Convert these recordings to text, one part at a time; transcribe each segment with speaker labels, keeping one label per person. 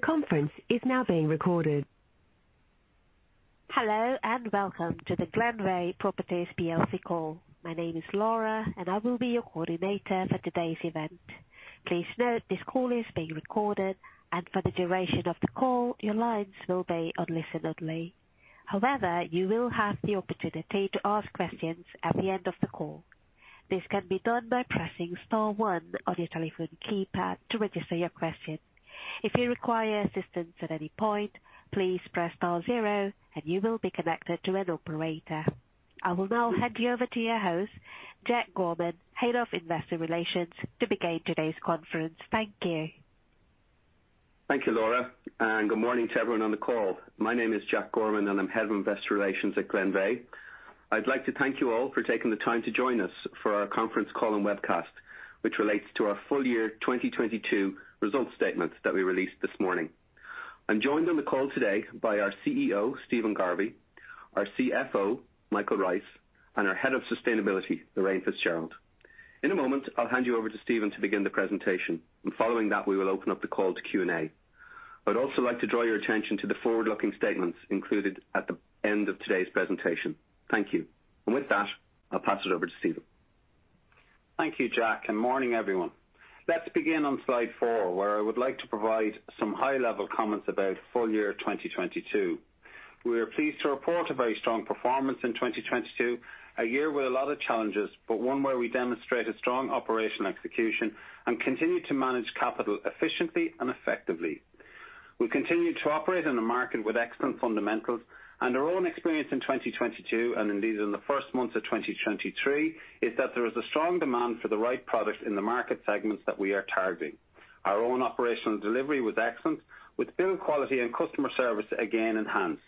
Speaker 1: The conference is now being recorded. Hello, welcome to the Glenveagh Properties PLC call. My name is Laura, and I will be your coordinator for today's event. Please note, this call is being recorded and for the duration of the call, your lines will be on listen-only. However, you will have the opportunity to ask questions at the end of the call. This can be done by pressing star one on your telephone keypad to register your question. If you require assistance at any point, please press star zero and you will be connected to an operator. I will now hand you over to your host, Jack Gorman, Head of Investor Relations, to begin today's conference. Thank you.
Speaker 2: Thank you, Laura, good morning to everyone on the call. My name is Jack Gorman, and I'm Head of Investor Relations at Glenveagh. I'd like to thank you all for taking the time to join us for our conference call and webcast, which relates to our full-year 2022 results statements that we released this morning. I'm joined on the call today by our CEO, Stephen Garvey, our CFO, Michael Rice, and our Head of Sustainability, Lorraine FitzGerald. In a moment, I'll hand you over to Stephen to begin the presentation, and following that, we will open up the call to Q&A. I'd also like to draw your attention to the forward-looking statements included at the end of today's presentation. Thank you. With that, I'll pass it over to Stephen.
Speaker 3: Thank you, Jack. Morning, everyone. Let's begin on slide four, where I would like to provide some high-level comments about full-year 2022. We are pleased to report a very strong performance in 2022, a year with a lot of challenges, but one where we demonstrated strong operational execution and continued to manage capital efficiently and effectively. We continued to operate in a market with excellent fundamentals, and our own experience in 2022, and indeed in the first months of 2023, is that there is a strong demand for the right product in the market segments that we are targeting. Our own operational delivery was excellent, with build quality and customer service again enhanced.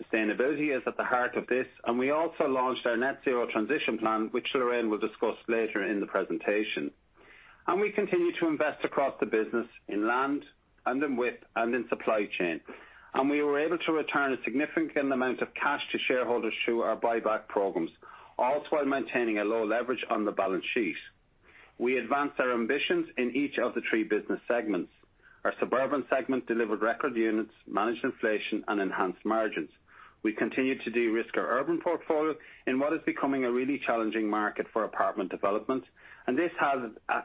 Speaker 3: Sustainability is at the heart of this. We also launched our Net Zero Transition Plan, which Lorraine will discuss later in the presentation. We continue to invest across the business in land and in width and in supply chain. We were able to return a significant amount of cash to shareholders through our buyback programs, all while maintaining a low leverage on the balance sheet. We advanced our ambitions in each of the three business segments. Our suburban segment delivered record units, managed inflation and enhanced margins. We continued to de-risk our urban portfolio in what is becoming a really challenging market for apartment development, and this has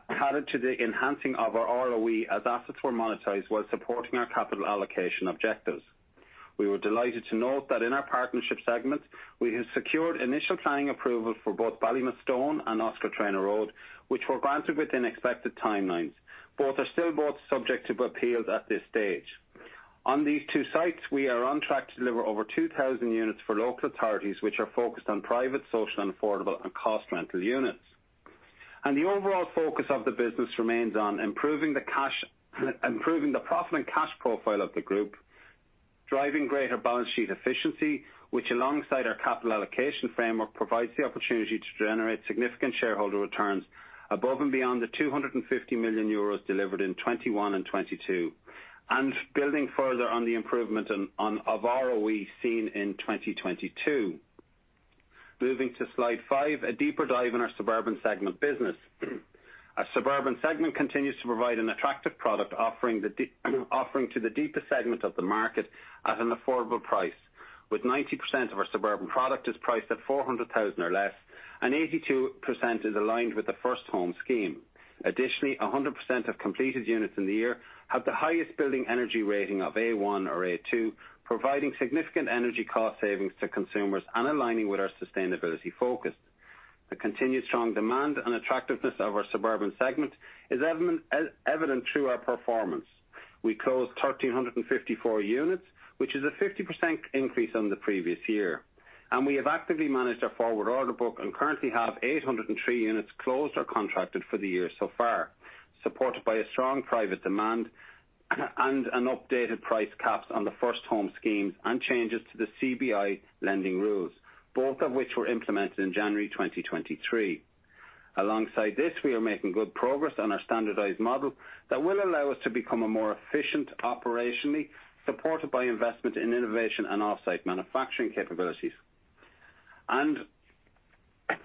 Speaker 3: added to the enhancing of our ROE as assets were monetized while supporting our capital allocation objectives. We were delighted to note that in our partnership segment, we have secured initial planning approval for both Ballymastone and Oscar Traynor Road, which were granted within expected timelines. Both are still subject to appeals at this stage. On these two sites, we are on track to deliver over 2,000 units for local authorities, which are focused on private, social and affordable and Cost Rental units. The overall focus of the business remains on improving the cash, improving the profit and cash profile of the group, driving greater balance sheet efficiency, which alongside our capital allocation framework, provides the opportunity to generate significant shareholder returns above and beyond the 250 million euros delivered in 2021 and 2022. Building further on the improvement of ROE seen in 2022. Moving to slide five, a deeper dive in our suburban segment business. Our suburban segment continues to provide an attractive product offering to the deepest segment of the market at an affordable price, with 90% of our suburban product is priced at 400,000 or less, and 82% is aligned with the First Home Scheme. Additionally, 100% of completed units in the year have the highest building energy rating of A1 or A2, providing significant energy cost savings to consumers and aligning with our sustainability focus. The continued strong demand and attractiveness of our suburban segment is evident through our performance. We closed 1,354 units, which is a 50% increase on the previous year. We have actively managed our forward order book and currently have 803 units closed or contracted for the year so far, supported by a strong private demand and an updated price caps on the First Home Scheme and changes to the CBI lending rules, both of which were implemented in January 2023. Alongside this, we are making good progress on our standardized model that will allow us to become a more efficient operationally, supported by investment in innovation and offsite manufacturing capabilities.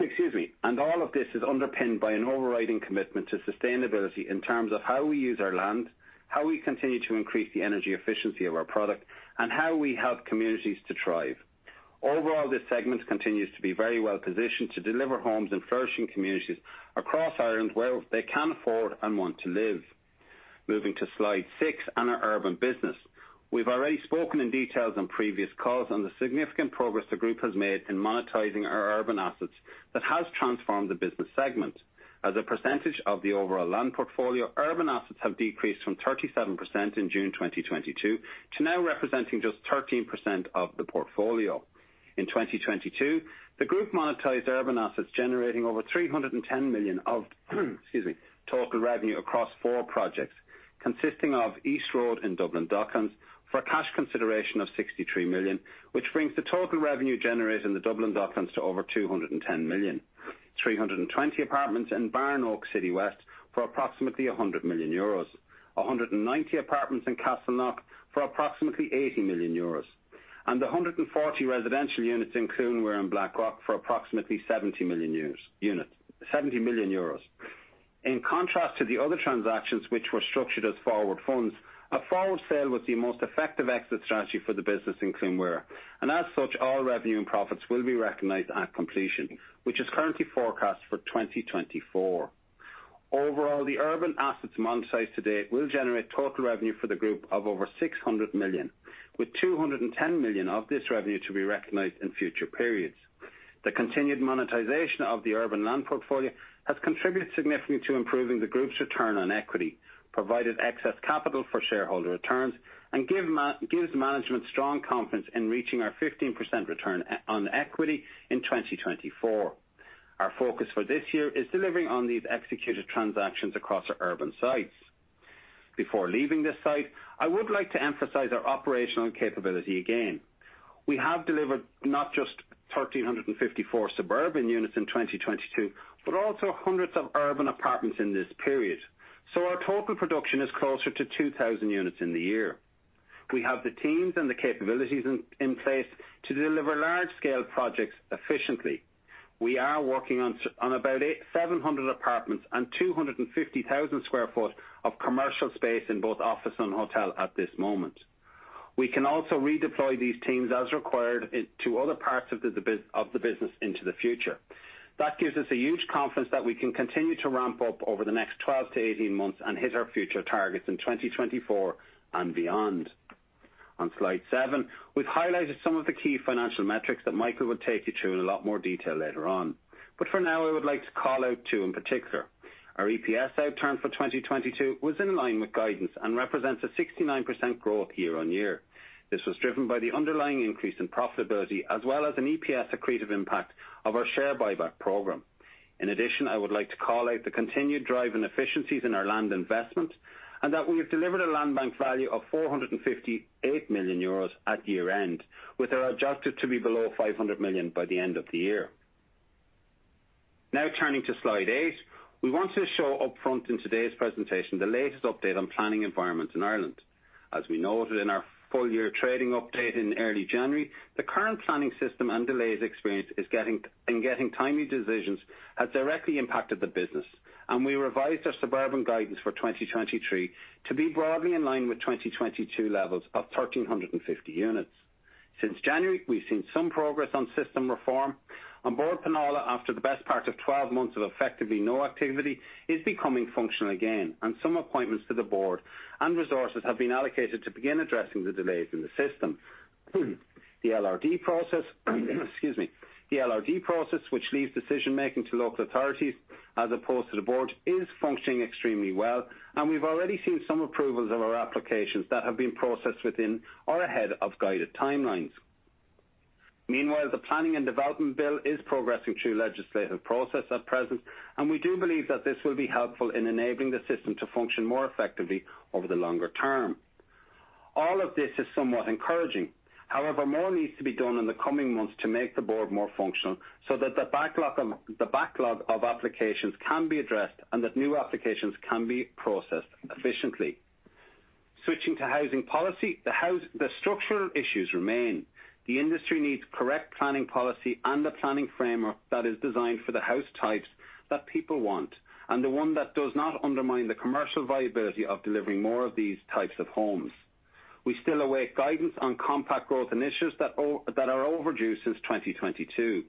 Speaker 3: Excuse me. All of this is underpinned by an overriding commitment to sustainability in terms of how we use our land, how we continue to increase the energy efficiency of our product, and how we help communities to thrive. Overall, this segment continues to be very well positioned to deliver homes and flourishing communities across Ireland where they can afford and want to live. Moving to slide six and our urban business. We've already spoken in details on previous calls on the significant progress the group has made in monetizing our urban assets that has transformed the business segment. As a percentage of the overall land portfolio, urban assets have decreased from 37% in June 2022 to now representing just 13% of the portfolio. In 2022, the group monetized urban assets generating over 310 million of, excuse me, total revenue across four projects consisting of East Road in Dublin Docklands for a cash consideration of 63 million, which brings the total revenue generated in the Dublin Docklands to over 210 million. 320 apartments in Barnoaks, Citywest for approximately 100 million euros. 190 apartments in Castleknock for approximately 80 million euros. The 140 residential units in Cluain Mhuire, Blackrock for approximately 70 million units, 70 million euros. In contrast to the other transactions which were structured as forward funds, a forward sale was the most effective exit strategy for the business in Cluain Mhuire. As such, all revenue and profits will be recognized at completion, which is currently forecast for 2024. Overall, the urban assets monetized to date will generate total revenue for the group of over 600 million, with 210 million of this revenue to be recognized in future periods. The continued monetization of the urban land portfolio has contributed significantly to improving the group's return on equity, provided excess capital for shareholder returns, and gives management strong confidence in reaching our 15% return on equity in 2024. Our focus for this year is delivering on these executed transactions across our urban sites. Before leaving this site, I would like to emphasize our operational capability again. We have delivered not just 1,354 suburban units in 2022, but also hundreds of urban apartments in this period. Our total production is closer to 2,000 units in the year. We have the teams and the capabilities in place to deliver large-scale projects efficiently. We are working on about 700 apartments and 250,000 sq ft of commercial space in both office and hotel at this moment. We can also redeploy these teams as required to other parts of the business into the future. That gives us a huge confidence that we can continue to ramp up over the next 12-18 months and hit our future targets in 2024 and beyond. On slide seven, we've highlighted some of the key financial metrics that Michael will take you through in a lot more detail later on. For now, I would like to call out two in particular. Our EPS outturn for 2022 was in line with guidance and represents a 69% growth year-on-year. This was driven by the underlying increase in profitability as well as an EPS accretive impact of our share buyback program. I would like to call out the continued drive in efficiencies in our land investment, and that we have delivered a land bank value of 458 million euros at year-end, with our objective to be below EUR 500 million by the end of the year. Turning to slide eight. We want to show upfront in today's presentation the latest update on planning environments in Ireland. As we noted in our full-year trading update in early January, the current planning system and delays experienced in getting timely decisions has directly impacted the business, and we revised our suburban guidance for 2023 to be broadly in line with 2022 levels of 1,350 units. Since January, we've seen some progress on system reform. An Bord Pleanála, after the best part of 12 months of effectively no activity, is becoming functional again, and some appointments to the board and resources have been allocated to begin addressing the delays in the system. The LRD process, which leaves decision-making to local authorities as opposed to the board, is functioning extremely well, and we've already seen some approvals of our applications that have been processed within or ahead of guided timelines. The Planning and Development Bill is progressing through legislative process at present, and we do believe that this will be helpful in enabling the system to function more effectively over the longer term. All of this is somewhat encouraging. More needs to be done in the coming months to make the board more functional so that the backlog of applications can be addressed and that new applications can be processed efficiently. Switching to housing policy, the structural issues remain. The industry needs correct planning policy and a planning framework that is designed for the house types that people want, and the one that does not undermine the commercial viability of delivering more of these types of homes. We still await guidance on compact growth initiatives that are overdue since 2022.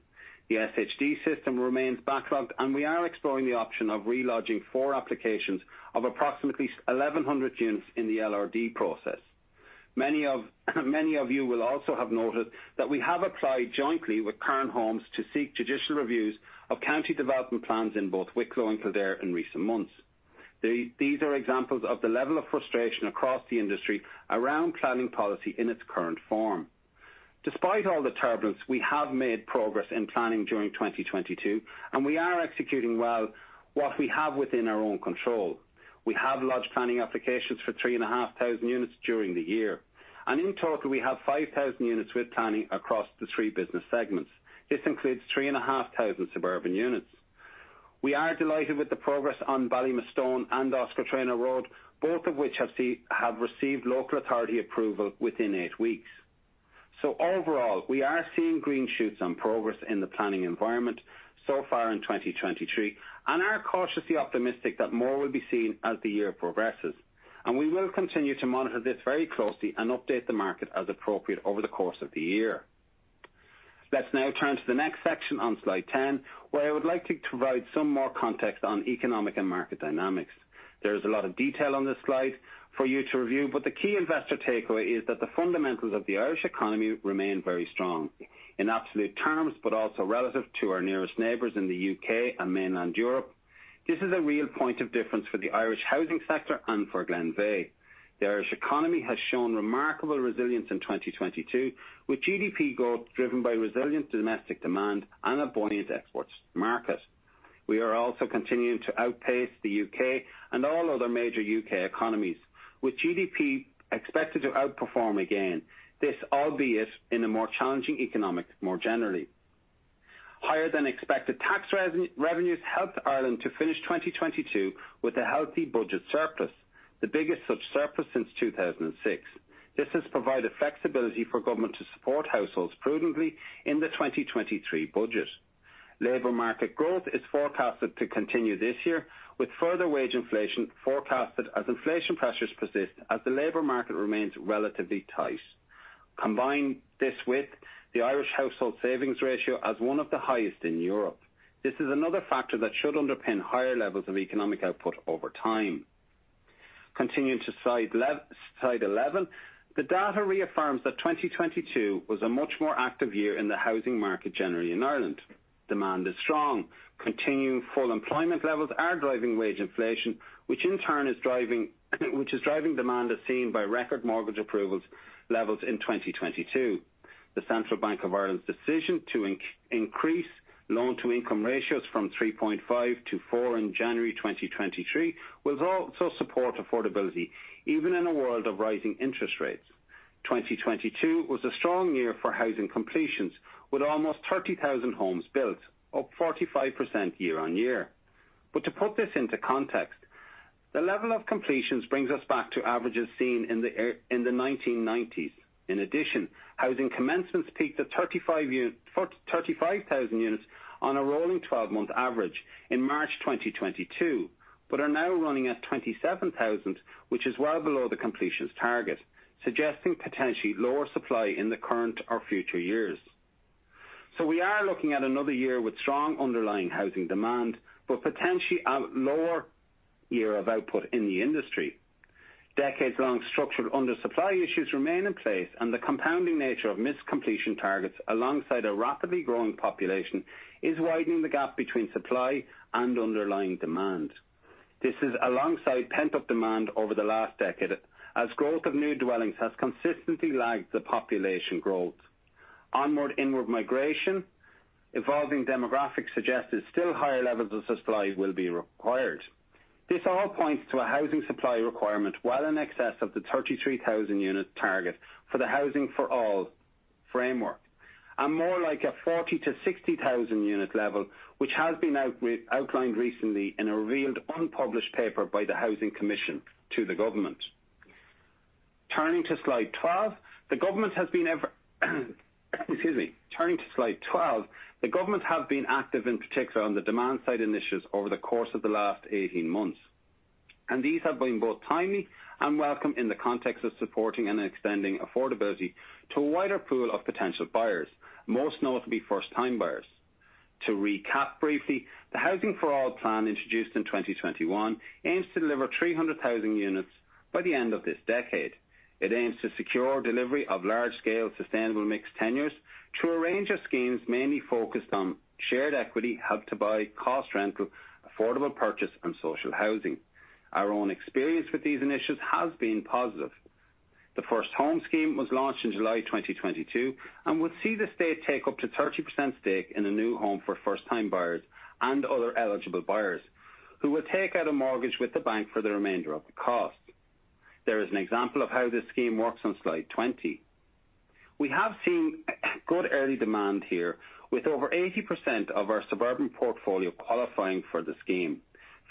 Speaker 3: The SHD system remains backlogged and we are exploring the option of re-lodging 4 applications of approximately 1,100 units in the LRD process. Many of you will also have noted that we have applied jointly with Cairn Homes to seek judicial reviews of county development plans in both Wicklow and Kildare in recent months. These are examples of the level of frustration across the industry around planning policy in its current form. Despite all the turbulence, we have made progress in planning during 2022. We are executing well what we have within our own control. We have lodged planning applications for 3,500 units during the year. In total, we have 5,000 units with planning across the three business segments. This includes 3,500 suburban units. We are delighted with the progress on Ballymastone and Oscar Traynor Road, both of which have received local authority approval within eight weeks. Overall, we are seeing green shoots and progress in the planning environment so far in 2023 and are cautiously optimistic that more will be seen as the year progresses. We will continue to monitor this very closely and update the market as appropriate over the course of the year. Let's now turn to the next section on slide 10, where I would like to provide some more context on economic and market dynamics. There's a lot of detail on this slide for you to review, but the key investor takeaway is that the fundamentals of the Irish economy remain very strong in absolute terms, but also relative to our nearest neighbors in the U.K. and mainland Europe. This is a real point of difference for the Irish housing sector and for Glenveagh. The Irish economy has shown remarkable resilience in 2022, with GDP growth driven by resilient domestic demand and a buoyant exports market. We are also continuing to outpace the U.K. and all other major U.K. economies. With GDP expected to outperform again, albeit in a more challenging economic more generally. Higher than expected tax revenues helped Ireland to finish 2022 with a healthy budget surplus, the biggest such surplus since 2006. This has provided flexibility for government to support households prudently in the 2023 budget. Labor market growth is forecasted to continue this year, with further wage inflation forecasted as inflation pressures persist as the labor market remains relatively tight. Combine this with the Irish household savings ratio as one of the highest in Europe. This is another factor that should underpin higher levels of economic output over time. Continuing to slide 11, the data reaffirms that 2022 was a much more active year in the housing market generally in Ireland. Demand is strong. Continuing full employment levels are driving wage inflation, which in turn is driving demand as seen by record mortgage approvals levels in 2022. The Central Bank of Ireland's decision to increase loan-to-income ratios from 3.5x-4x in January 2023 will also support affordability even in a world of rising interest rates. 2022 was a strong year for housing completions with almost 30,000 homes built, up 45% year-on-year. To put this into context, the level of completions brings us back to averages seen in the 1990s. Housing commencements peaked at 35,000 units on a rolling 12-month average in March 2022, but are now running at 27,000, which is well below the completions target, suggesting potentially lower supply in the current or future years. We are looking at another year with strong underlying housing demand, but potentially a lower year of output in the industry. Decades-long structural undersupply issues remain in place and the compounding nature of missed completion targets alongside a rapidly growing population is widening the gap between supply and underlying demand. This is alongside pent-up demand over the last decade as growth of new dwellings has consistently lagged the population growth. Onward inward migration, evolving demographics suggested still higher levels of supply will be required. This all points to a housing supply requirement well in excess of the 33,000 unit target for the Housing for All framework. More like a 40,000-60,000 unit level, which has been outlined recently in a revealed unpublished paper by The Housing Commission to the government. Turning to slide 12, the government has been excuse me. Turning to slide 12, the government have been active in particular on the demand side initiatives over the course of the last 18 months. These have been both timely and welcome in the context of supporting and extending affordability to a wider pool of potential buyers, most notably first-time buyers. To recap briefly, the Housing for All plan introduced in 2021 aims to deliver 300,000 units by the end of this decade. It aims to secure delivery of large-scale sustainable mixed tenures through a range of schemes mainly focused on shared equity, Help to Buy Cost Rental, affordable purchase and social housing. Our own experience with these initiatives has been positive. The First Home Scheme was launched in July 2022 and will see the state take up to 30% stake in a new home for first-time buyers and other eligible buyers who will take out a mortgage with the bank for the remainder of the cost. There is an example of how this scheme works on slide 20. We have seen good early demand here with over 80% of our suburban portfolio qualifying for the scheme.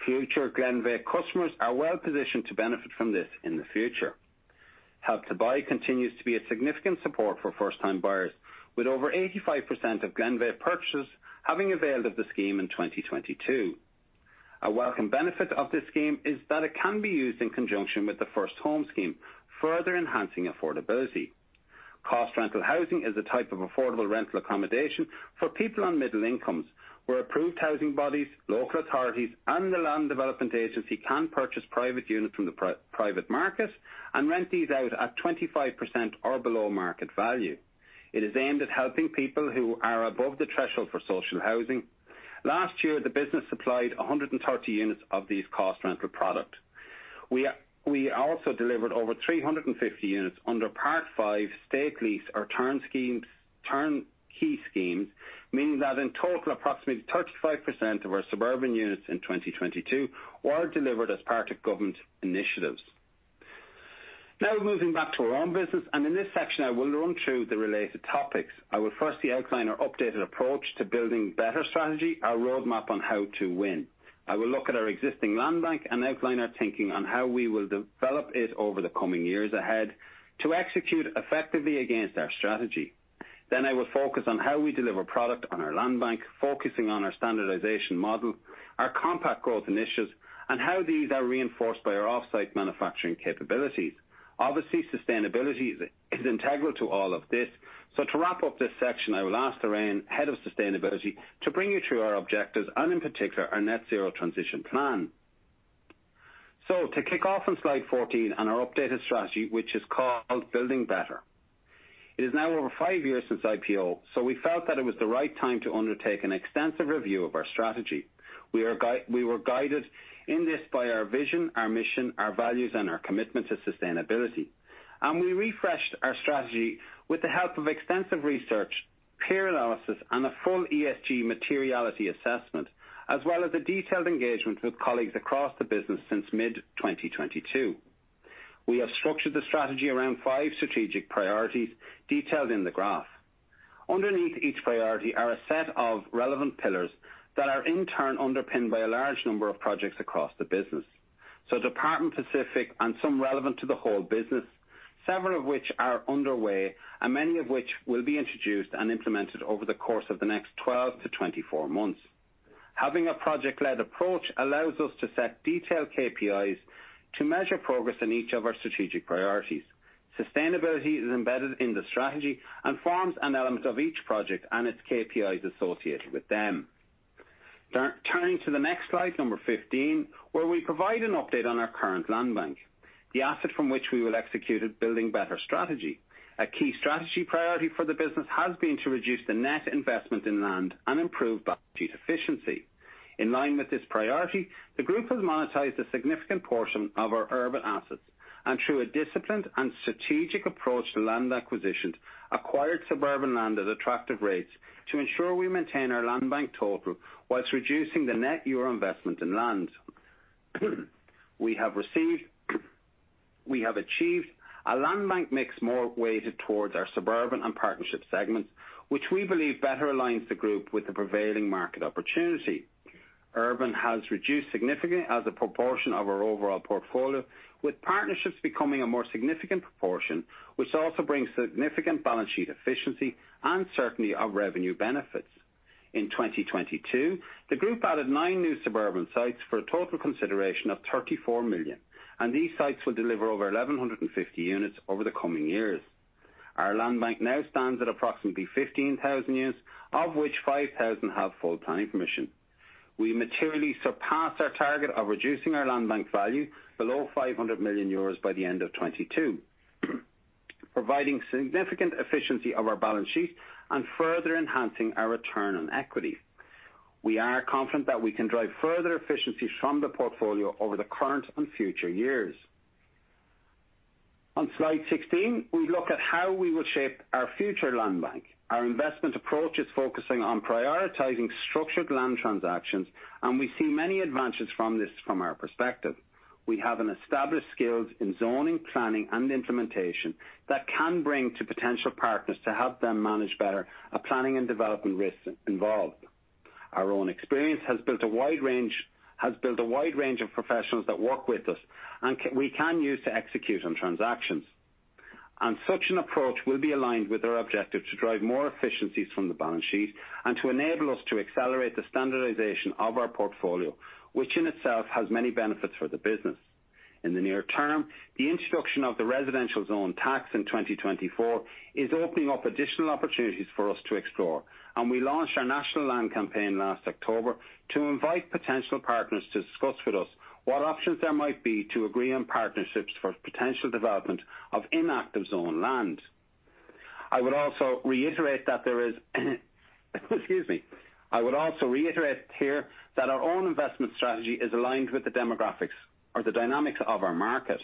Speaker 3: Future Glenveagh customers are well-positioned to benefit from this in the future. Help to Buy scheme continues to be a significant support for first-time buyers with over 85% of Glenveagh purchases having availed of the scheme in 2022. A welcome benefit of this scheme is that it can be used in conjunction with the First Home Scheme, further enhancing affordability. Cost Rental housing is a type of affordable rental accommodation for people on middle incomes, where approved housing bodies, local authorities and the Land Development Agency can purchase private units from the private market and rent these out at 25% or below market value. It is aimed at helping people who are above the threshold for social housing. Last year, the business supplied 130 units of these Cost Rental product. We also delivered over 350 units under Part V state lease or turn schemes, turn key schemes, meaning that in total approximately 35% of our suburban units in 2022 were delivered as part of government initiatives. Moving back to our own business, in this section I will run through the related topics. I will firstly outline our updated approach to Building Better strategy, our roadmap on how to win. I will look at our existing land bank and outline our thinking on how we will develop it over the coming years ahead to execute effectively against our strategy. I will focus on how we deliver product on our land bank, focusing on our standardization model, our compact growth initiatives, and how these are reinforced by our offsite manufacturing capabilities. Obviously, sustainability is integral to all of this. To wrap up this section, I will ask Lorraine, Head of Sustainability, to bring you through our objectives and in particular our Net Zero Transition Plan. To kick off on slide 14 on our updated strategy, which is called Building Better. It is now over five years since IPO. We felt that it was the right time to undertake an extensive review of our strategy. We were guided in this by our vision, our mission, our values, and our commitment to sustainability. We refreshed our strategy with the help of extensive research, peer analysis, and a full ESG materiality assessment, as well as a detailed engagement with colleagues across the business since mid 2022. We have structured the strategy around five strategic priorities detailed in the graph. Underneath each priority are a set of relevant pillars that are in turn underpinned by a large number of projects across the business, so department specific and some relevant to the whole business, several of which are underway and many of which will be introduced and implemented over the course of the next 12-24 months. Having a project-led approach allows us to set detailed KPIs to measure progress in each of our strategic priorities. Sustainability is embedded in the strategy and forms an element of each project and its KPIs associated with them. Turning to the next slide, number 15, where we provide an update on our current land bank, the asset from which we will execute Building Better strategy. A key strategy priority for the business has been to reduce the net investment in land and improve balance sheet efficiency. In line with this priority, the group has monetized a significant portion of our urban assets and through a disciplined and strategic approach to land acquisitions, acquired suburban land at attractive rates to ensure we maintain our land bank total whilst reducing the net euro investment in land. We have achieved a land bank mix more weighted towards our suburban and partnership segments, which we believe better aligns the group with the prevailing market opportunity. Urban has reduced significantly as a proportion of our overall portfolio, with partnerships becoming a more significant proportion, which also brings significant balance sheet efficiency and certainly our revenue benefits. In 2022, the group added nine new suburban sites for a total consideration of 34 million. These sites will deliver over 1,150 units over the coming years. Our land bank now stands at approximately 15,000 units, of which 5,000 have full planning permission. We materially surpassed our target of reducing our land bank value below 500 million euros by the end of 2022, providing significant efficiency of our balance sheet and further enhancing our return on equity. We are confident that we can drive further efficiencies from the portfolio over the current and future years. On slide 16, we look at how we will shape our future land bank. Our investment approach is focusing on prioritizing structured land transactions. We see many advantages from this from our perspective. We have an established skills in zoning, planning and implementation that can bring to potential partners to help them manage better a planning and development risks involved. Our own experience has built a wide range of professionals that work with us and we can use to execute on transactions. Such an approach will be aligned with our objective to drive more efficiencies from the balance sheet and to enable us to accelerate the standardization of our portfolio, which in itself has many benefits for the business. In the near term, the introduction of the Residential Zoned Land Tax in 2024 is opening up additional opportunities for us to explore. We launched our national land campaign last October to invite potential partners to discuss with us what options there might be to agree on partnerships for potential development of inactive zoned land. I would also reiterate that there is excuse me. I would also reiterate here that our own investment strategy is aligned with the demographics or the dynamics of our market.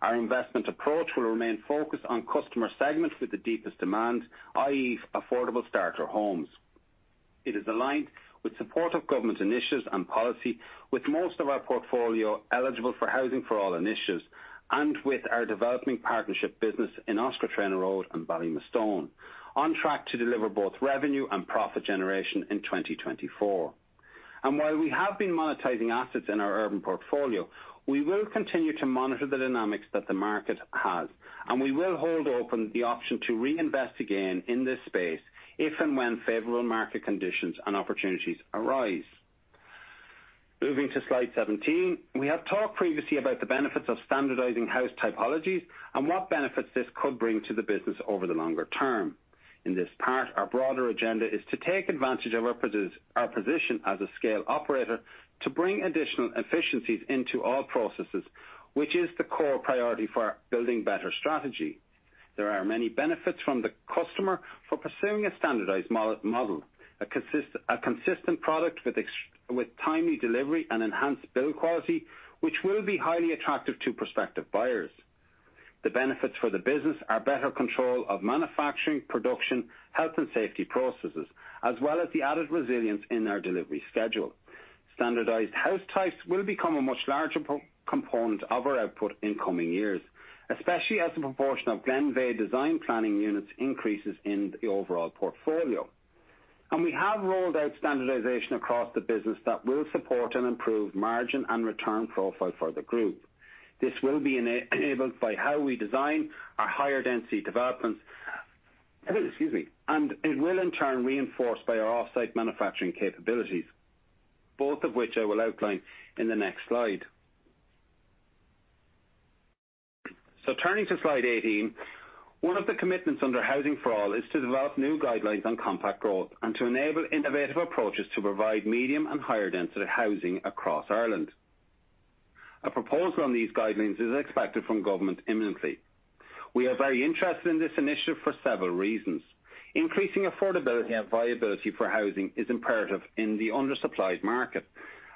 Speaker 3: Our investment approach will remain focused on customer segments with the deepest demand, i.e. affordable starter homes. It is aligned with support of government initiatives and policy, with most of our portfolio eligible for Housing for All initiatives and with our developing partnership business in Oscar Traynor Road and Ballymastone, on track to deliver both revenue and profit generation in 2024. While we have been monetizing assets in our urban portfolio, we will continue to monitor the dynamics that the market has, and we will hold open the option to reinvest again in this space if and when favorable market conditions and opportunities arise. Moving to slide 17, we have talked previously about the benefits of standardizing house typologies and what benefits this could bring to the business over the longer term. In this part, our broader agenda is to take advantage of our position as a scale operator to bring additional efficiencies into all processes, which is the core priority for our Building Better strategy. There are many benefits from the customer for pursuing a standardized model, a consistent product with timely delivery and enhanced build quality, which will be highly attractive to prospective buyers. The benefits for the business are better control of manufacturing, production, health and safety processes, as well as the added resilience in our delivery schedule. Standardized house types will become a much larger component of our output in coming years, especially as the proportion of Glenveagh design planning units increases in the overall portfolio. We have rolled out standardization across the business that will support and improve margin and return profile for the group. This will be enabled by how we design our higher-density developments excuse me, it will in turn reinforced by our offsite manufacturing capabilities, both of which I will outline in the next slide. Turning to slide 18, one of the commitments under Housing for All is to develop new guidelines on compact growth and to enable innovative approaches to provide medium and higher density housing across Ireland. A proposal on these guidelines is expected from government imminently. We are very interested in this initiative for several reasons. Increasing affordability and viability for housing is imperative in the undersupplied market.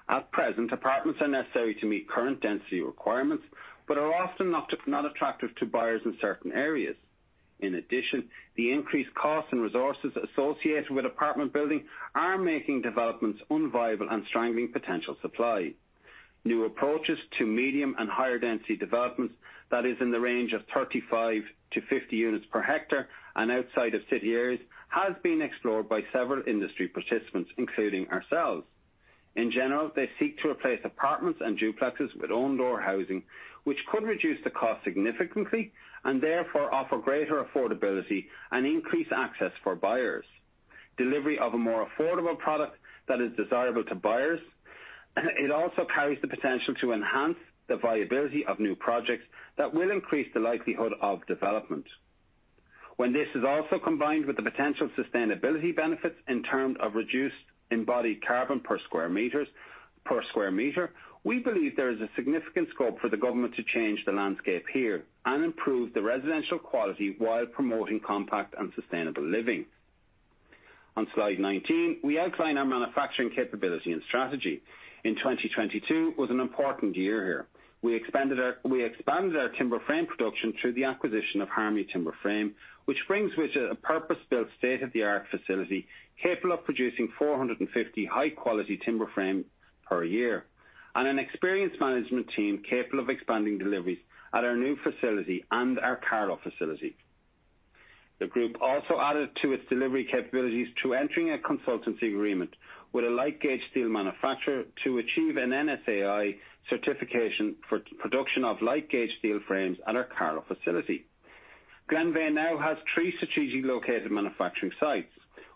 Speaker 3: At present, apartments are necessary to meet current density requirements, but are often not attractive to buyers in certain areas. The increased costs and resources associated with apartment building are making developments unviable and strangling potential supply. New approaches to medium and higher density developments that is in the range of 35-50 units per hectare and outside of city areas has been explored by several industry participants, including ourselves. They seek to replace apartments and duplexes with own-door housing, which could reduce the cost significantly and therefore offer greater affordability and increase access for buyers. Delivery of a more affordable product that is desirable to buyers. It also carries the potential to enhance the viability of new projects that will increase the likelihood of development. When this is also combined with the potential sustainability benefits in terms of reduced embodied carbon per square meter, we believe there is a significant scope for the government to change the landscape here and improve the residential quality while promoting compact and sustainable living. On slide 19, we outline our manufacturing capability and strategy. In 2022 was an important year here. We expanded our timber frame production through the acquisition of Harmony Timber Frame, which brings with it a purpose-built state-of-the-art facility capable of producing 450 high-quality timber frame per year, and an experienced management team capable of expanding deliveries at our new facility and our Carlow facility. The group also added to its delivery capabilities through entering a consultancy agreement with a light-gauge steel manufacturer to achieve an NSAI certification for production of light-gauge steel frames at our Carlow facility. Glenveagh now has three strategic located manufacturing sites,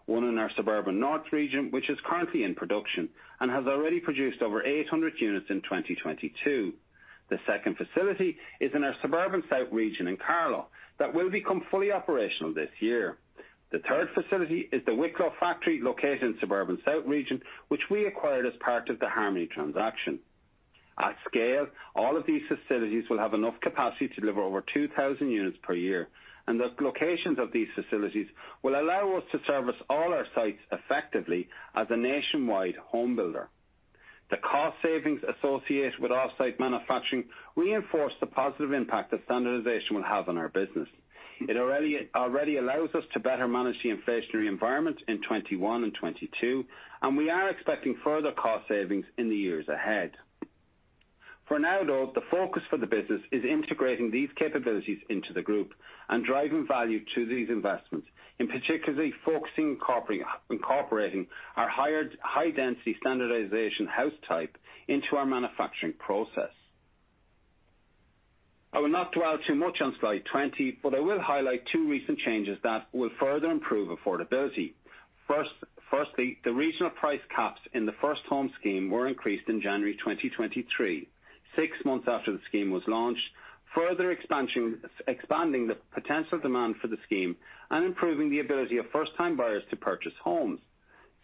Speaker 3: one in our suburban north region, which is currently in production and has already produced over 800 units in 2022. The second facility is in our suburban south region in Carlow that will become fully operational this year. The third facility is the Wicklow Factory, located in suburban south region, which we acquired as part of the Harmony transaction. At scale, all of these facilities will have enough capacity to deliver over 2,000 units per year, and the locations of these facilities will allow us to service all our sites effectively as a nationwide home builder. The cost savings associated with offsite manufacturing reinforce the positive impact that standardization will have on our business. It already allows us to better manage the inflationary environment in 2021 and 2022, and we are expecting further cost savings in the years ahead. For now, though, the focus for the business is integrating these capabilities into the group and driving value to these investments, in particularly focusing, incorporating our high-density standardization house type into our manufacturing process. I will not dwell too much on slide 20, but I will highlight two recent changes that will further improve affordability. Firstly, the regional price caps in the First Home Scheme were increased in January 2023, six months after the scheme was launched, further expanding the potential demand for the scheme and improving the ability of first-time buyers to purchase homes.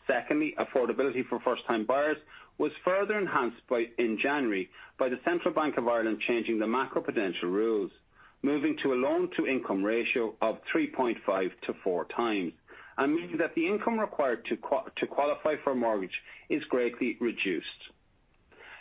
Speaker 3: Secondly, affordability for first-time buyers was further enhanced by, in January by the Central Bank of Ireland changing the macroprudential rules, moving to a loan-to-income ratio of 3.5x-4x and meaning that the income required to qualify for a mortgage is greatly reduced.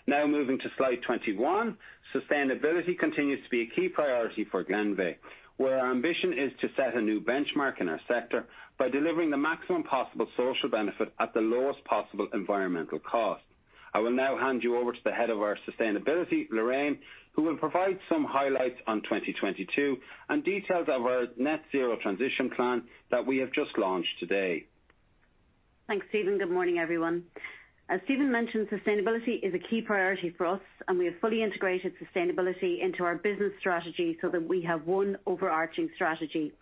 Speaker 3: Now moving to slide 21. Sustainability continues to be a key priority for Glenveagh, where our ambition is to set a new benchmark in our sector by delivering the maximum possible social benefit at the lowest possible environmental cost. I will now hand you over to the head of our sustainability, Lorraine, who will provide some highlights on 2022 and details of our Net Zero Transition Plan that we have just launched today.
Speaker 4: Thanks, Stephen. Good morning, everyone. As Stephen mentioned, sustainability is a key priority for us, and we have fully integrated sustainability into our business strategy so that we have one overarching strategy.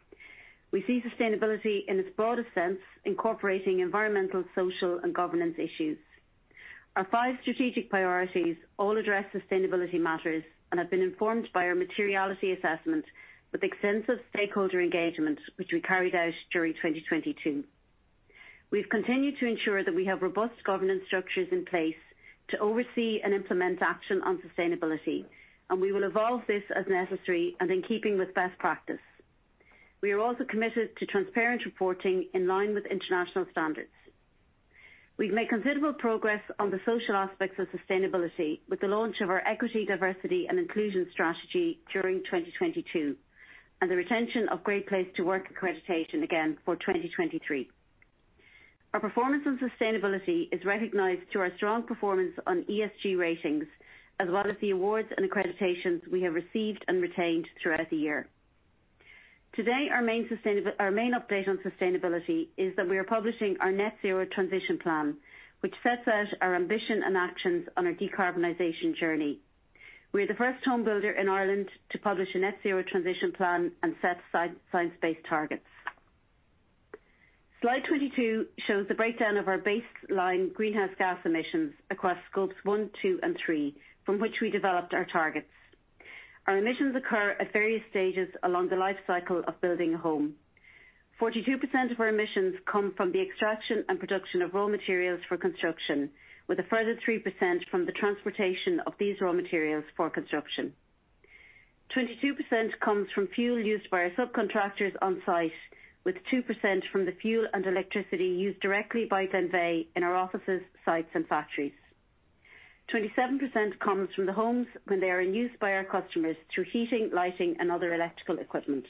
Speaker 4: We see sustainability in its broadest sense, incorporating environmental, social, and governance issues. Our five strategic priorities all address sustainability matters and have been informed by our materiality assessment with extensive stakeholder engagement, which we carried out during 2022. We've continued to ensure that we have robust governance structures in place to oversee and implement action on sustainability, and we will evolve this as necessary and in keeping with best practice. We are also committed to transparent reporting in line with international standards. We've made considerable progress on the social aspects of sustainability with the launch of our equity, diversity and inclusion strategy during 2022, the retention of Great Place to Work accreditation again for 2023. Our performance on sustainability is recognized through our strong performance on ESG ratings, as well as the awards and accreditations we have received and retained throughout the year. Today, our main update on sustainability is that we are publishing our Net Zero Transition Plan, which sets out our ambition and actions on our decarbonization journey. We are the first home builder in Ireland to publish a Net Zero Transition Plan and set science-based targets. Slide 22 shows the breakdown of our baseline greenhouse gas emissions across Scope 1, 2, and 3 from which we developed our targets. Our emissions occur at various stages along the life cycle of building a home. 42% of our emissions come from the extraction and production of raw materials for construction, with a further 3% from the transportation of these raw materials for construction. 22% comes from fuel used by our subcontractors on site, with 2% from the fuel and electricity used directly by Glenveagh in our offices, sites, and factories. 27% comes from the homes when they are in use by our customers through heating, lighting, and other electrical equipment.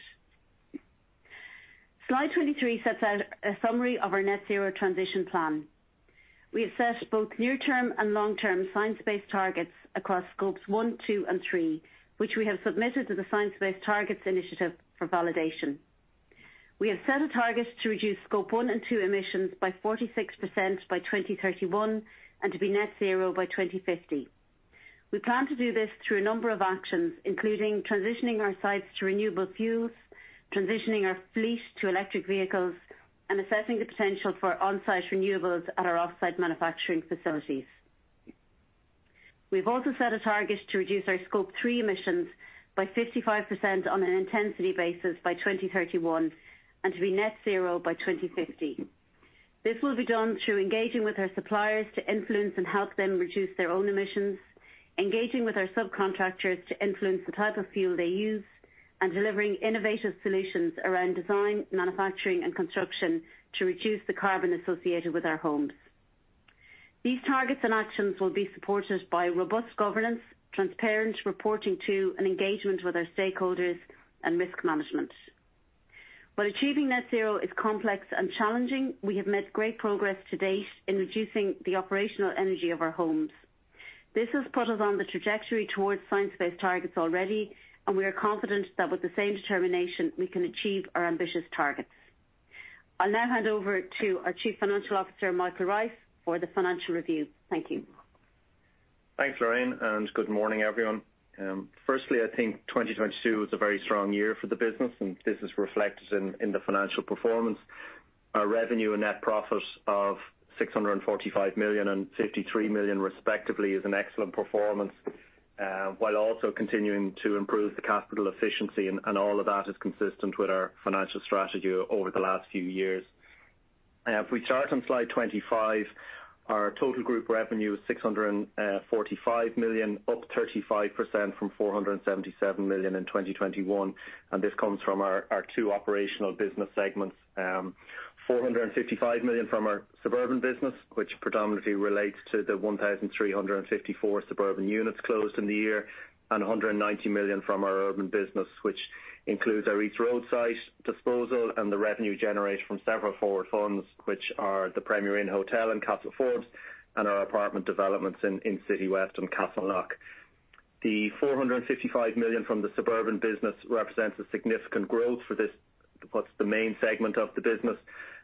Speaker 4: Slide 23 sets out a summary of our Net Zero Transition Plan. We assess both near term and long-term Science-Based Targets across Scopes 1, 2, and 3, which we have submitted to the Science-Based Targets initiative for validation. We have set a target to reduce Scope 1 and 2 emissions by 46% by 2031 and to be net zero by 2050. We plan to do this through a number of actions, including transitioning our sites to renewable fuels, transitioning our fleet to electric vehicles, and assessing the potential for on-site renewables at our offsite manufacturing facilities. We've also set a target to reduce our Scope 3 emissions by 55% on an intensity basis by 2031 and to be Net Zero by 2050. This will be done through engaging with our suppliers to influence and help them reduce their own emissions, engaging with our subcontractors to influence the type of fuel they use, and delivering innovative solutions around design, manufacturing, and construction to reduce the carbon associated with our homes. These targets and actions will be supported by robust governance, transparent reporting to an engagement with our stakeholders and risk management. While achieving net zero is complex and challenging, we have made great progress to date in reducing the operational energy of our homes. This has put us on the trajectory towards science-based targets already. We are confident that with the same determination, we can achieve our ambitious targets. I'll now hand over to our Chief Financial Officer, Michael Rice, for the financial review. Thank you.
Speaker 5: Thanks, Lorraine. Good morning, everyone. Firstly, I think 2022 was a very strong year for the business, and this is reflected in the financial performance. Our revenue and net profit of 645 million and 53 million respectively is an excellent performance, while also continuing to improve the capital efficiency, and all of that is consistent with our financial strategy over the last few years. If we start on slide 25, our total group revenue is 645 million, up 35% from 477 million in 2021. This comes from our two operational business segments. 455 million from our suburban business, which predominantly relates to the 1,354 suburban units closed in the year, and 190 million from our urban business, which includes our East Road site disposal and the revenue generated from several forward funds, which are the Premier Inn Hotel in Castleforbes and our apartment developments in Citywest and Castleknock. The 455 million from the suburban business represents a significant growth for this, what's the main segment of the business,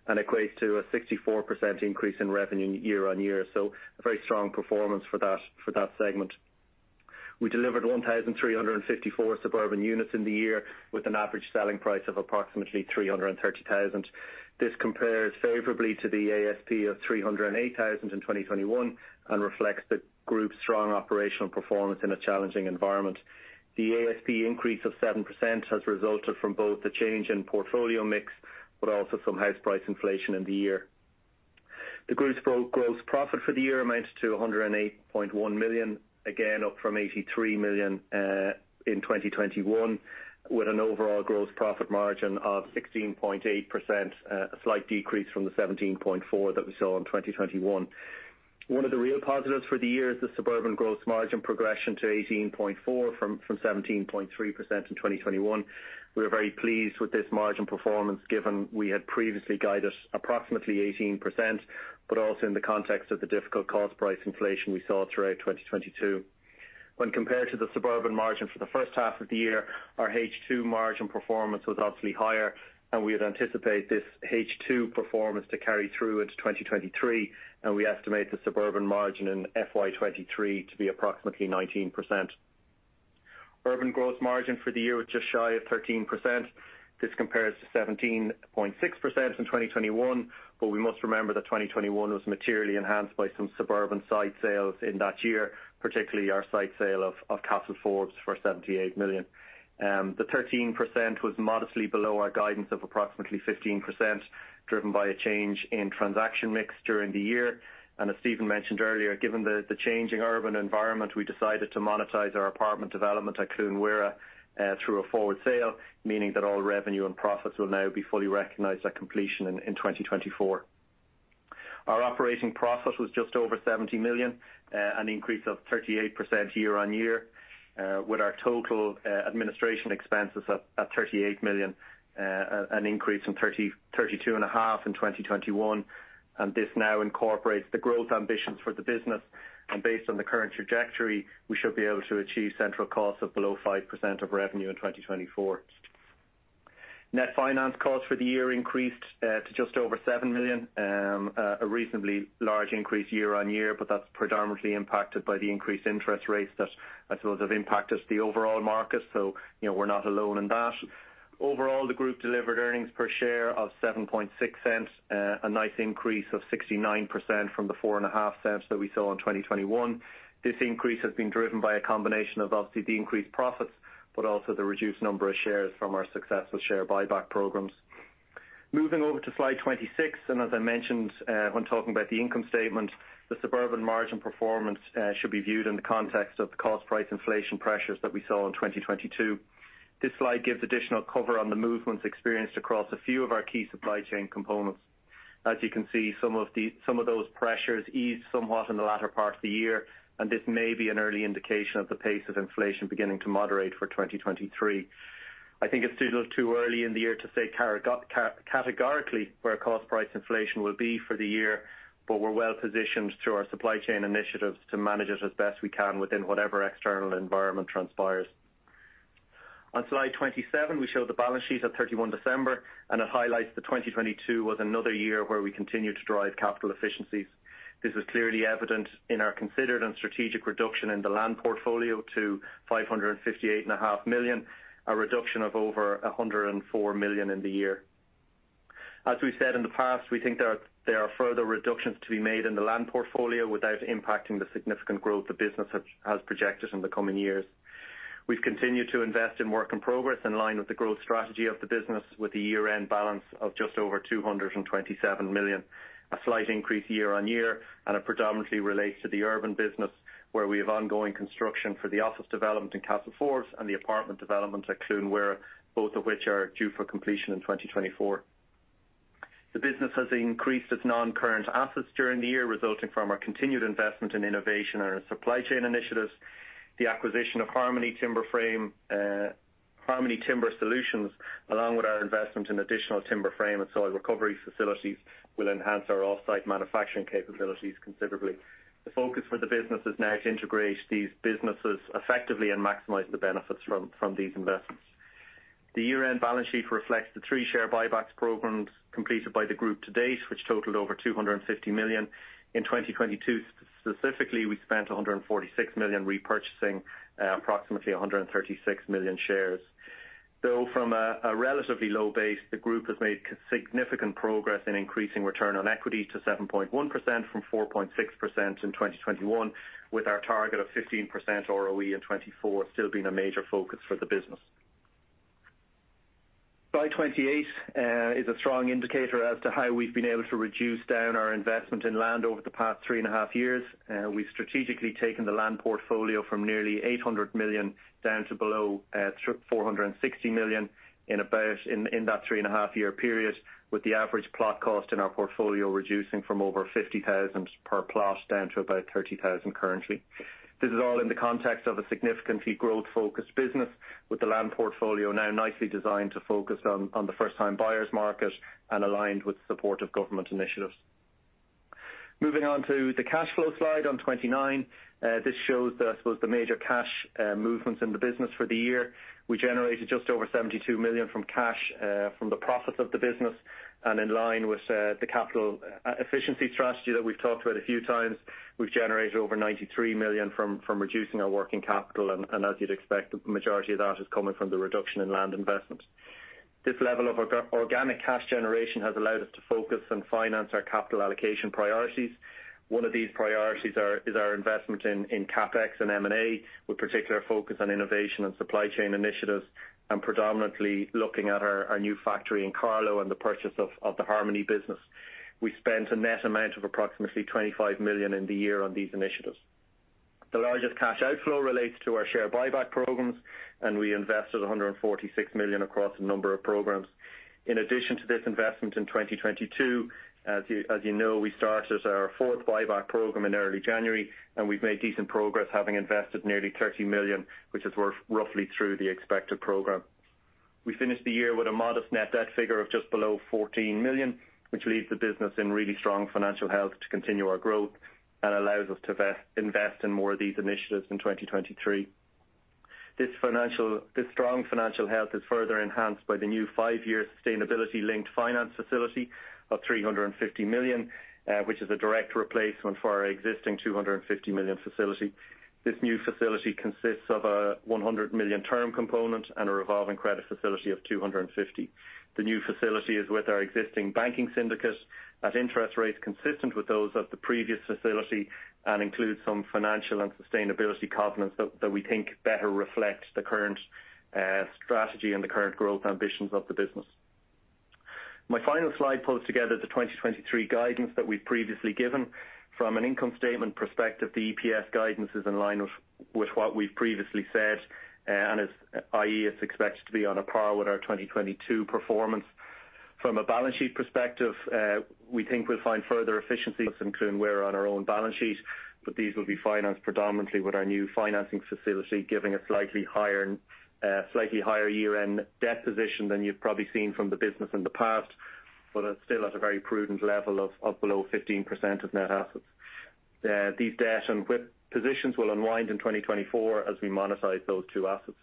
Speaker 5: and equates to a 64% increase in revenue year-on-year. A very strong performance for that segment. We delivered 1,354 suburban units in the year with an average selling price of approximately 330,000. This compares favorably to the ASP of 308,000 in 2021 and reflects the group's strong operational performance in a challenging environment. The ASP increase of 7% has resulted from both the change in portfolio mix, but also some house price inflation in the year. The group's gross profit for the year amounted to 108.1 million, again up from 83 million in 2021, with an overall gross profit margin of 16.8%, a slight decrease from the 17.4% that we saw in 2021. One of the real positives for the year is the suburban gross margin progression to 18.4% from 17.3% in 2021. We are very pleased with this margin performance given we had previously guided approximately 18%, also in the context of the difficult cost price inflation we saw throughout 2022. When compared to the suburban margin for the first half of the year, our H2 margin performance was obviously higher. We would anticipate this H2 performance to carry through into 2023. We estimate the suburban margin in FY 2023 to be approximately 19%. Urban gross margin for the year was just shy of 13%. This compares to 17.6% in 2021. We must remember that 2021 was materially enhanced by some suburban site sales in that year, particularly our site sale of Castleforbes for 78 million. The 13% was modestly below our guidance of approximately 15%, driven by a change in transaction mix during the year. As Stephen mentioned earlier, given the changing urban environment, we decided to monetize our apartment development at Cluain Mhuire through a forward sale, meaning that all revenue and profits will now be fully recognized at completion in 2024. Our operating profit was just over 70 million, an increase of 38% year-on-year, with our total administration expenses at 38 million, an increase from 32.5 million in 2021, and this now incorporates the growth ambitions for the business. Based on the current trajectory, we should be able to achieve central costs of below 5% of revenue in 2024. Net finance costs for the year increased to just over 7 million, a reasonably large increase year-on-year, but that's predominantly impacted by the increased interest rates that I suppose have impacted the overall market. You know, we're not alone in that. Overall, the group delivered EPS of 0.076, a nice increase of 69% from the 0.045 that we saw in 2021. This increase has been driven by a combination of obviously the increased profits, but also the reduced number of shares from our successful share buyback programs. Moving over to slide 26. As I mentioned, when talking about the income statement, the suburban margin performance should be viewed in the context of the cost price inflation pressures that we saw in 2022. This slide gives additional cover on the movements experienced across a few of our key supply chain components. As you can see, some of those pressures eased somewhat in the latter part of the year. This may be an early indication of the pace of inflation beginning to moderate for 2023. I think it's still too early in the year to say categorically where cost price inflation will be for the year. We're well-positioned through our supply chain initiatives to manage it as best we can within whatever external environment transpires. On slide 27, we show the balance sheet at 31 December. It highlights that 2022 was another year where we continued to drive capital efficiencies. This is clearly evident in our considered and strategic reduction in the land portfolio to 558.5 million, a reduction of over 104 million in the year. As we said in the past, we think there are further reductions to be made in the land portfolio without impacting the significant growth the business has projected in the coming years. We've continued to invest in work in progress in line with the growth strategy of the business, with the year-end balance of just over 227 million, a slight increase year-on-year, and it predominantly relates to the urban business where we have ongoing construction for the office development in Castleforbes and the apartment development at Cluain Mhuire, both of which are due for completion in 2024. The business has increased its non-current assets during the year, resulting from our continued investment in innovation and our supply chain initiatives. The acquisition of Harmony Timber Frame, Harmony Timber Solutions, along with our investment in additional timber frame and soil recovery facilities, will enhance our off-site manufacturing capabilities considerably. The focus for the business is now to integrate these businesses effectively and maximize the benefits from these investments. The year-end balance sheet reflects the three share buybacks programs completed by the group to date, which totaled over 250 million. In 2022, specifically, we spent 146 million repurchasing, approximately 136 million shares. Though from a relatively low base, the group has made significant progress in increasing return on equity to 7.1% from 4.6% in 2021, with our target of 15% ROE in 2024 still being a major focus for the business. Slide 28 is a strong indicator as to how we've been able to reduce down our investment in land over the past three and a half years. We've strategically taken the land portfolio from nearly 800 million down to below 460 million in that three-and-a-half-year period, with the average plot cost in our portfolio reducing from over 50,000 per plot down to about 30,000 currently. This is all in the context of a significantly growth-focused business with the land portfolio now nicely designed to focus on the first-time buyers market and aligned with support of government initiatives. Moving on to the cash flow slide on 29. This shows the, I suppose, the major cash movements in the business for the year. We generated just over 72 million from cash from the profits of the business. In line with the capital efficiency strategy that we've talked about a few times, we've generated over 93 million from reducing our working capital. As you'd expect, the majority of that is coming from the reduction in land investment. This level of organic cash generation has allowed us to focus and finance our capital allocation priorities. One of these priorities is our investment in CapEx and M&A, with particular focus on innovation and supply chain initiatives, predominantly looking at our new factory in Carlow and the purchase of the Harmony business. We spent a net amount of approximately 25 million in the year on these initiatives. The largest cash outflow relates to our share buyback programs, and we invested 146 million across a number of programs. In addition to this investment in 2022, as you know, we started our fourth buyback program in early January, and we've made decent progress, having invested nearly 30 million, which is worth roughly through the expected program. We finished the year with a modest net debt figure of just below 14 million, which leaves the business in really strong financial health to continue our growth and allows us to invest in more of these initiatives in 2023. This strong financial health is further enhanced by the new five-year sustainability-linked finance facility of 350 million, which is a direct replacement for our existing 250 million facility. This new facility consists of a 100 million term component and a revolving credit facility of 250 million. The new facility is with our existing banking syndicate at interest rates consistent with those of the previous facility and includes some financial and sustainability covenants that we think better reflect the current strategy and the current growth ambitions of the business. My final slide pulls together the 2023 guidance that we've previously given. From an income statement perspective, the EPS guidance is in line with what we've previously said, i.e., it's expected to be on a par with our 2022 performance. From a balance sheet perspective, we think we'll find further efficiencies including we're on our own balance sheet, but these will be financed predominantly with our new financing facility, giving a slightly higher year-end debt position than you've probably seen from the business in the past. It's still at a very prudent level of below 15% of net assets. These debt and WIP positions will unwind in 2024 as we monetize those two assets.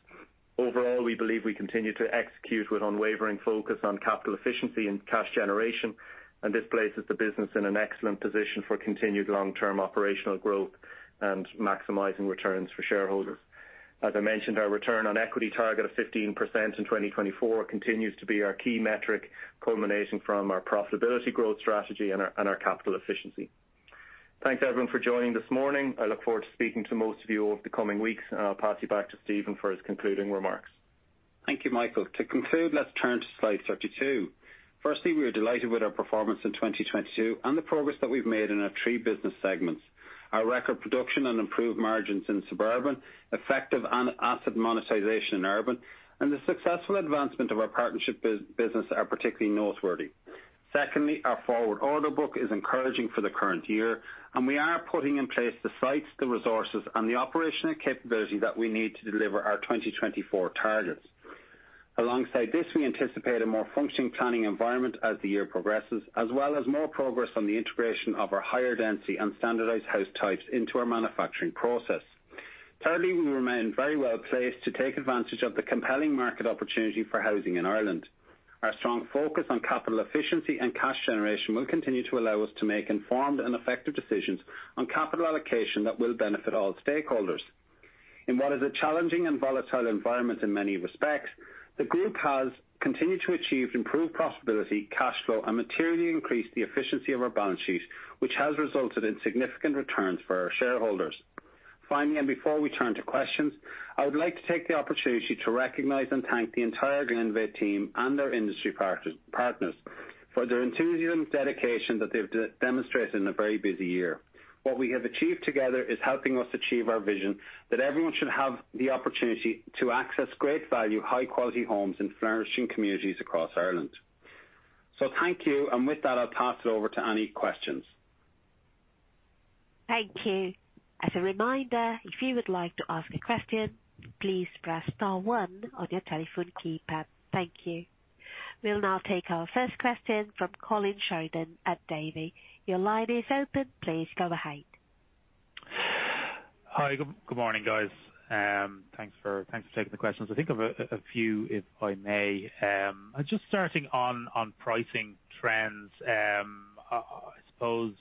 Speaker 5: Overall, we believe we continue to execute with unwavering focus on capital efficiency and cash generation. This places the business in an excellent position for continued long-term operational growth and maximizing returns for shareholders. As I mentioned, our return on equity target of 15% in 2024 continues to be our key metric culminating from our profitability growth strategy and our capital efficiency. Thanks, everyone, for joining this morning. I look forward to speaking to most of you over the coming weeks. I'll pass you back to Stephen for his concluding remarks.
Speaker 3: Thank you, Michael. To conclude, let's turn to slide 32. Firstly, we are delighted with our performance in 2022 and the progress that we've made in our three business segments. Our record production and improved margins in suburban, effective asset monetization in urban, and the successful advancement of our partnership business are particularly noteworthy. Secondly, our forward order book is encouraging for the current year, and we are putting in place the sites, the resources, and the operational capability that we need to deliver our 2024 targets. Alongside this, we anticipate a more functioning planning environment as the year progresses, as well as more progress on the integration of our higher-density and standardized house types into our manufacturing process. Thirdly, we remain very well placed to take advantage of the compelling market opportunity for housing in Ireland. Our strong focus on capital efficiency and cash generation will continue to allow us to make informed and effective decisions on capital allocation that will benefit all stakeholders. In what is a challenging and volatile environment in many respects, the group has continued to achieve improved profitability, cash flow, and materially increase the efficiency of our balance sheet, which has resulted in significant returns for our shareholders. Finally, before we turn to questions, I would like to take the opportunity to recognize and thank the entire Glenveagh team and their industry partners for their enthusiasm and dedication that they've demonstrated in a very busy year. What we have achieved together is helping us achieve our vision that everyone should have the opportunity to access great value, high-quality homes in flourishing communities across Ireland. Thank you. With that, I'll toss it over to any questions.
Speaker 1: Thank you. As a reminder, if you would like to ask a question, please press star one on your telephone keypad. Thank you. We will now take our first question from Colin Sheridan at Davy. Your line is open. Please go ahead.
Speaker 6: Hi. Good morning, guys. Thanks for taking the questions. I think I've a few, if I may. I'm just starting on pricing trends. I suppose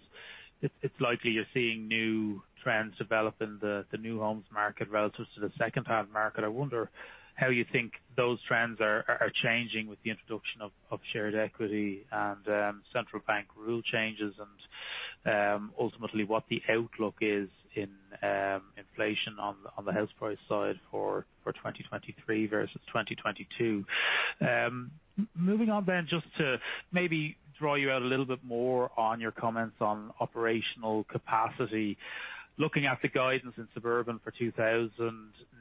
Speaker 6: it's likely you're seeing new trends develop in the new homes market relatives to the secondhand market. I wonder how you think those trends are changing with the introduction of shared equity and Central Bank rule changes and ultimately what the outlook is in inflation on the house price side for 2023 versus 2022. Moving on then, just to maybe draw you out a little bit more on your comments on operational capacity. Looking at the guidance in suburban for 2,000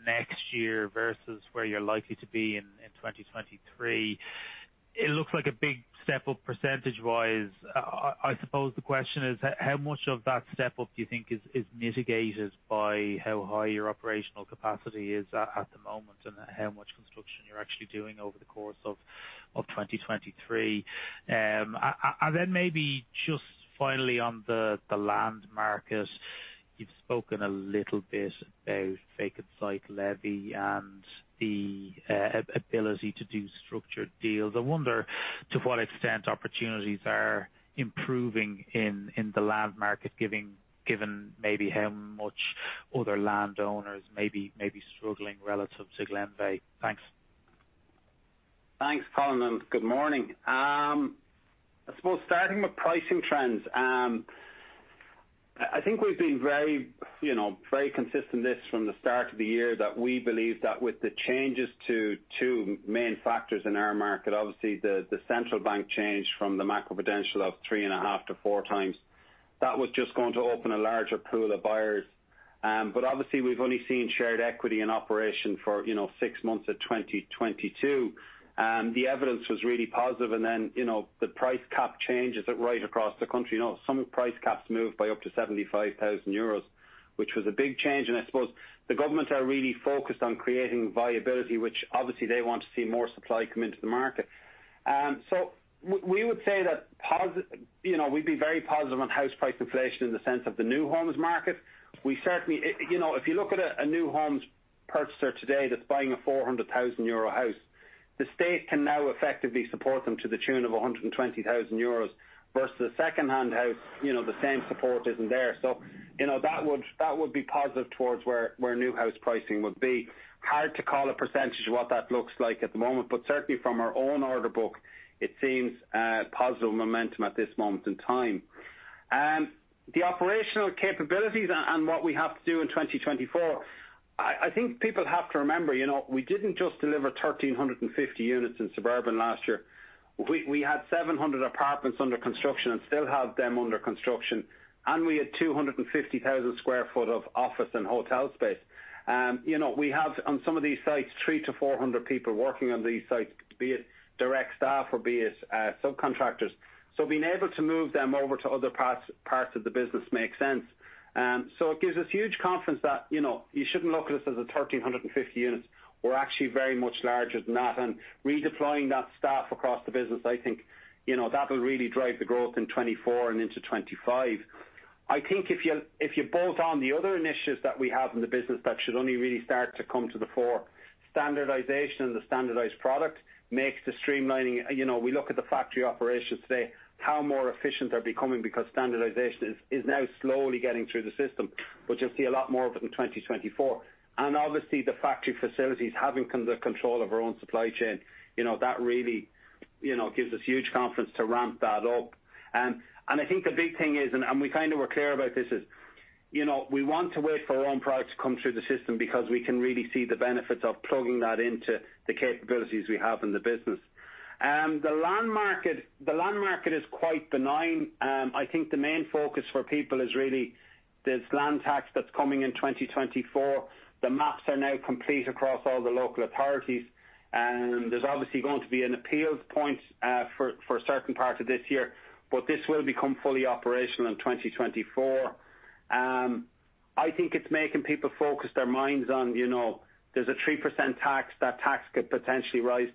Speaker 6: next year versus where you're likely to be in 2023, it looks like a big step up percentage-wise. I suppose the question is how much of that step up do you think is mitigated by how high your operational capacity is at the moment and how much construction you're actually doing over the course of 2023? Then maybe just finally on the land market, you've spoken a little bit about Vacant Site Levy and the ability to do structured deals. I wonder to what extent opportunities are improving in the land market given maybe how much other landowners may be struggling relative to Glenveagh. Thanks.
Speaker 3: Thanks, Colin, good morning. I suppose starting with pricing trends. I think we've been very, you know, very consistent this from the start of the year that we believe that with the changes to two main factors in our market, obviously the Central Bank change from the macroprudential of 3.5x-4x, that was just going to open a larger pool of buyers. Obviously we've only seen shared equity in operation for, you know, six months of 2022. The evidence was really positive, you know, the price cap changes that right across the country, you know, some price caps moved by up to 75,000 euros, which was a big change. I suppose the government are really focused on creating viability, which obviously they want to see more supply come into the market. We would say that You know, we'd be very positive on house price inflation in the sense of the new homes market. We certainly, you know, if you look at a new homes purchaser today that's buying a 400,000 euro house, the state can now effectively support them to the tune of 120,000 euros versus secondhand house, you know, the same support isn't there. You know, that would be positive towards where new house pricing would be. Hard to call a percentage of what that looks like at the moment, certainly from our own order book it seems positive momentum at this moment in time. The operational capabilities and what we have to do in 2024, I think people have to remember, you know, we didn't just deliver 1,350 units in suburban last year. We had 700 apartments under construction and still have them under construction, we had 250,000 sq ft of office and hotel space. You know, we have on some of these sites 300-400 people working on these sites, be it direct staff or be it subcontractors. Being able to move them over to other parts of the business makes sense. It gives us huge confidence that, you know, you shouldn't look at us as a 1,350 units. We're actually very much larger than that. Redeploying that staff across the business, I think, you know, that'll really drive the growth in 2024 and into 2025. If you bolt on the other initiatives that we have in the business that should only really start to come to the fore, standardization of the standardized product makes the streamlining. You know, we look at the factory operations today, how more efficient they're becoming because standardization is now slowly getting through the system. You'll see a lot more of it in 2024. Obviously the factory facilities having the control of our own supply chain, you know, that really, you know, gives us huge confidence to ramp that up. I think the big thing is, we kind of were clear about this is. You know, we want to wait for our own product to come through the system because we can really see the benefits of plugging that into the capabilities we have in the business. The land market is quite benign. I think the main focus for people is really this land tax that's coming in 2024. The maps are now complete across all the local authorities, there's obviously going to be an appeals point for a certain part of this year. This will become fully operational in 2024. I think it's making people focus their minds on, you know, there's a 3% tax. That tax could potentially rise.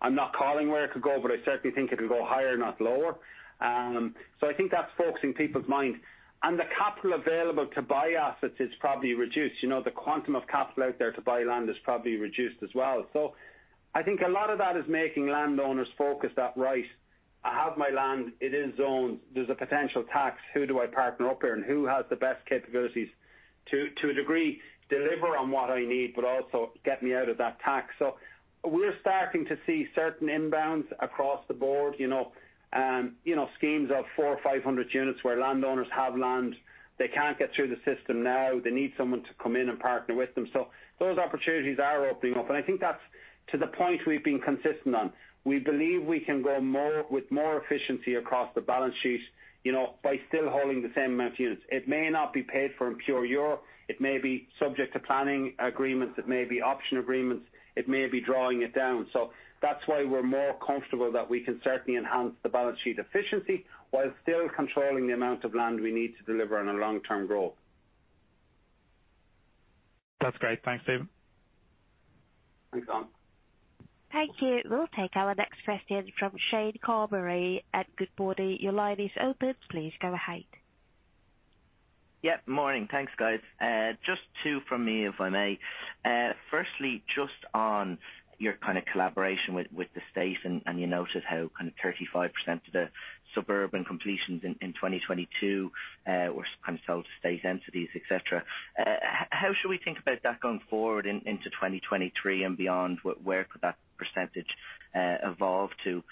Speaker 3: I'm not calling where it could go, but I certainly think it could go higher, not lower. I think that's focusing people's mind. The capital available to buy assets is probably reduced. You know, the quantum of capital out there to buy land is probably reduced as well. I think a lot of that is making landowners focus that, right, I have my land, it is zoned, there's a potential tax. Who do I partner up here, and who has the best capabilities to a degree, deliver on what I need, but also get me out of that tax? We're starting to see certain inbounds across the board, you know, you know, schemes of 400 or 500 units where landowners have land. They can't get through the system now. They need someone to come in and partner with them. Those opportunities are opening up, and I think that's to the point we've been consistent on. We believe we can grow more with more efficiency across the balance sheet, you know, by still holding the same amount of units. It may not be paid for in pure euro. It may be subject to planning agreements. It may be option agreements. It may be drawing it down. That's why we're more comfortable that we can certainly enhance the balance sheet efficiency while still controlling the amount of land we need to deliver on a long-term growth.
Speaker 6: That's great. Thanks, Stephen.
Speaker 3: Thanks, Colin.
Speaker 1: Thank you. We'll take our next question from Shane Carberry at Goodbody. Your line is open. Please go ahead.
Speaker 7: Morning. Thanks, guys. Just two from me, if I may. Firstly, just on your kind of collaboration with the state, and you noted how kind of 35% of the suburban completions in 2022 were kind of sold to state entities, et cetera. How should we think about that going forward into 2023 and beyond? Where could that percentage evolve to?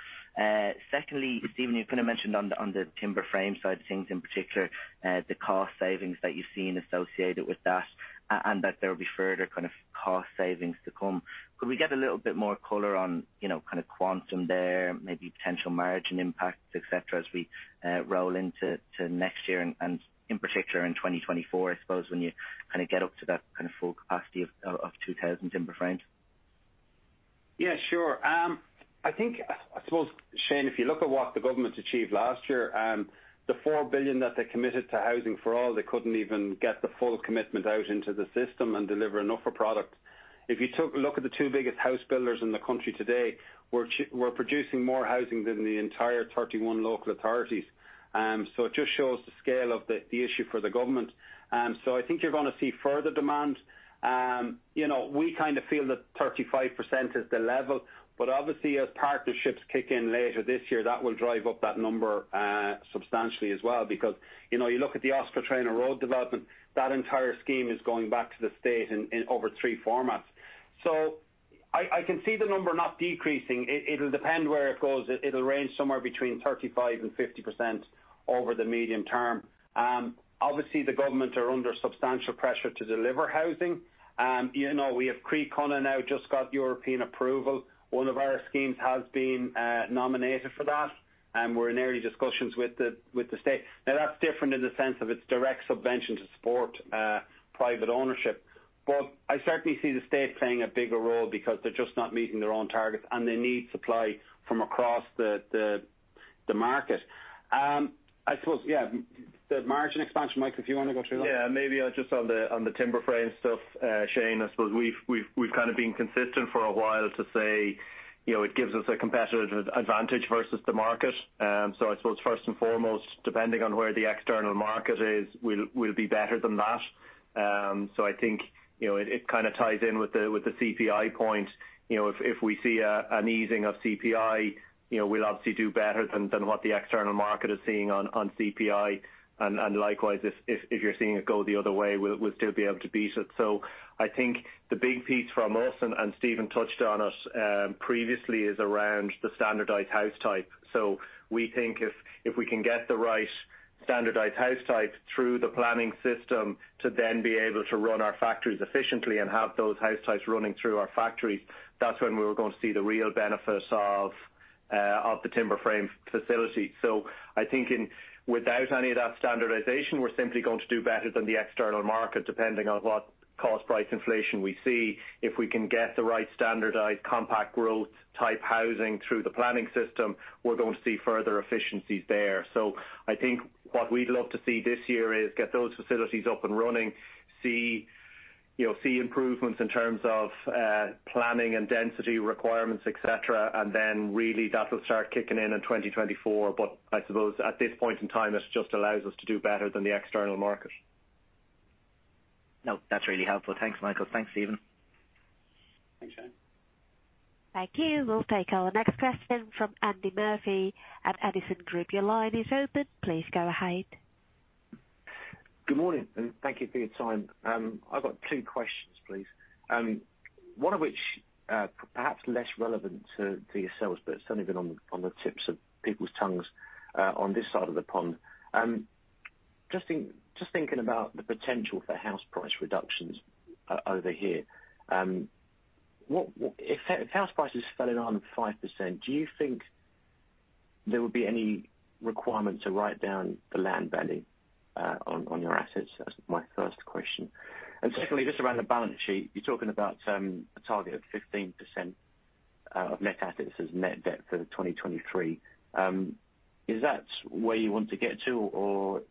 Speaker 7: Secondly, Stephen, you kind of mentioned on the timber frame side of things, in particular, the cost savings that you've seen associated with that and that there will be further kind of cost savings to come. Could we get a little bit more color on, you know, kind of quantum there, maybe potential margin impacts, et cetera, as we roll into next year and in particular in 2024, I suppose when you kind of get up to that kind of full capacity of 2,000 timber frames?
Speaker 3: Yeah, sure. I think, I suppose, Shane, if you look at what the government achieved last year, the 4 billion that they committed to Housing for All, they couldn't even get the full commitment out into the system and deliver enough for product. If you took a look at the two biggest house builders in the country today, we're producing more housing than the entire 31 local authorities. It just shows the scale of the issue for the government. I think you're gonna see further demand. You know, we kind of feel that 35% is the level, but obviously as partnerships kick in later this year, that will drive up that number substantially as well, because, you know, you look at the Oscar Traynor Road development, that entire scheme is going back to the state in over three formats. I can see the number not decreasing. It'll depend where it goes. It'll range somewhere between 35%-50% over the medium term. Obviously the government are under substantial pressure to deliver housing. You know, we have Croí Cónaithe just got European approval. One of our schemes has been nominated for that, and we're in early discussions with the state. That's different in the sense of its direct subvention to support private ownership. I certainly see the state playing a bigger role because they're just not meeting their own targets, and they need supply from across the market. I suppose, yeah, the margin expansion, Michael, if you wanna go through that.
Speaker 5: Maybe just on the timber frame stuff, Shane, I suppose we've kind of been consistent for a while to say, you know, it gives us a competitive advantage versus the market. I suppose first and foremost, depending on where the external market is, we'll be better than that. I think, you know, it kind of ties in with the CPI point. You know, if we see an easing of CPI, you know, we'll obviously do better than what the external market is seeing on CPI, and likewise, if you're seeing it go the other way, we'll still be able to beat it. I think the big piece from us, and Stephen touched on it previously, is around the standardized house type. We think if we can get the right standardized house types through the planning system to then be able to run our factories efficiently and have those house types running through our factories, that's when we're going to see the real benefit of the timber frame facility. I think without any of that standardization, we're simply going to do better than the external market, depending on what cost price inflation we see. If we can get the right standardized compact growth type housing through the planning system, we're going to see further efficiencies there. I think what we'd love to see this year is get those facilities up and running, see, you know, see improvements in terms of planning and density requirements, et cetera, and then really that'll start kicking in in 2024. I suppose at this point in time, it just allows us to do better than the external market.
Speaker 7: No, that's really helpful. Thanks, Michael. Thanks, Stephen.
Speaker 3: Thanks, Shane.
Speaker 1: Thank you. We'll take our next question from Andy Murphy at Edison Group. Your line is open. Please go ahead.
Speaker 8: Good morning, and thank you for your time. I've got two questions, please. One of which, perhaps less relevant to yourselves, but it's certainly been on the tips of people's tongues on this side of the pond. Just thinking about the potential for house price reductions over here, what if house prices fell another 5%, do you think there would be any requirement to write down the land value on your assets? That's my first question. Secondly, just around the balance sheet, you're talking about a target of 15% of net assets as net debt for 2023. Is that where you want to get to, or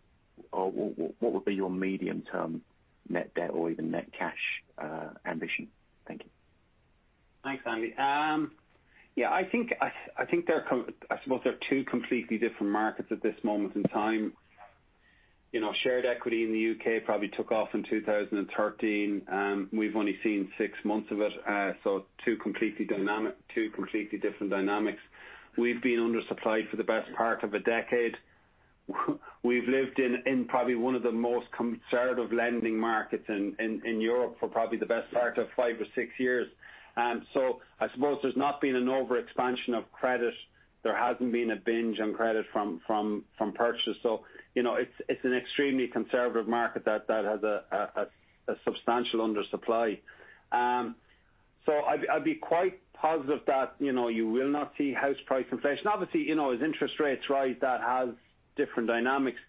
Speaker 8: what would be your medium-term net debt or even net cash ambition? Thank you.
Speaker 3: Thanks, Andy. I think, I think I suppose they're two completely different markets at this moment in time. You know, shared equity in the U.K. probably took off in 2013. We've only seen six months of it. Two completely different dynamics. We've been undersupplied for the best part of 10 years. We've lived in probably one of the most conservative lending markets in Europe for probably the best part of five or six years. I suppose there's not been an overexpansion of credit. There hasn't been a binge on credit from purchase. You know, it's an extremely conservative market that has a substantial undersupply. I'd be quite positive that, you know, you will not see house price inflation. Obviously, you know, as interest rates rise, that has different dynamics.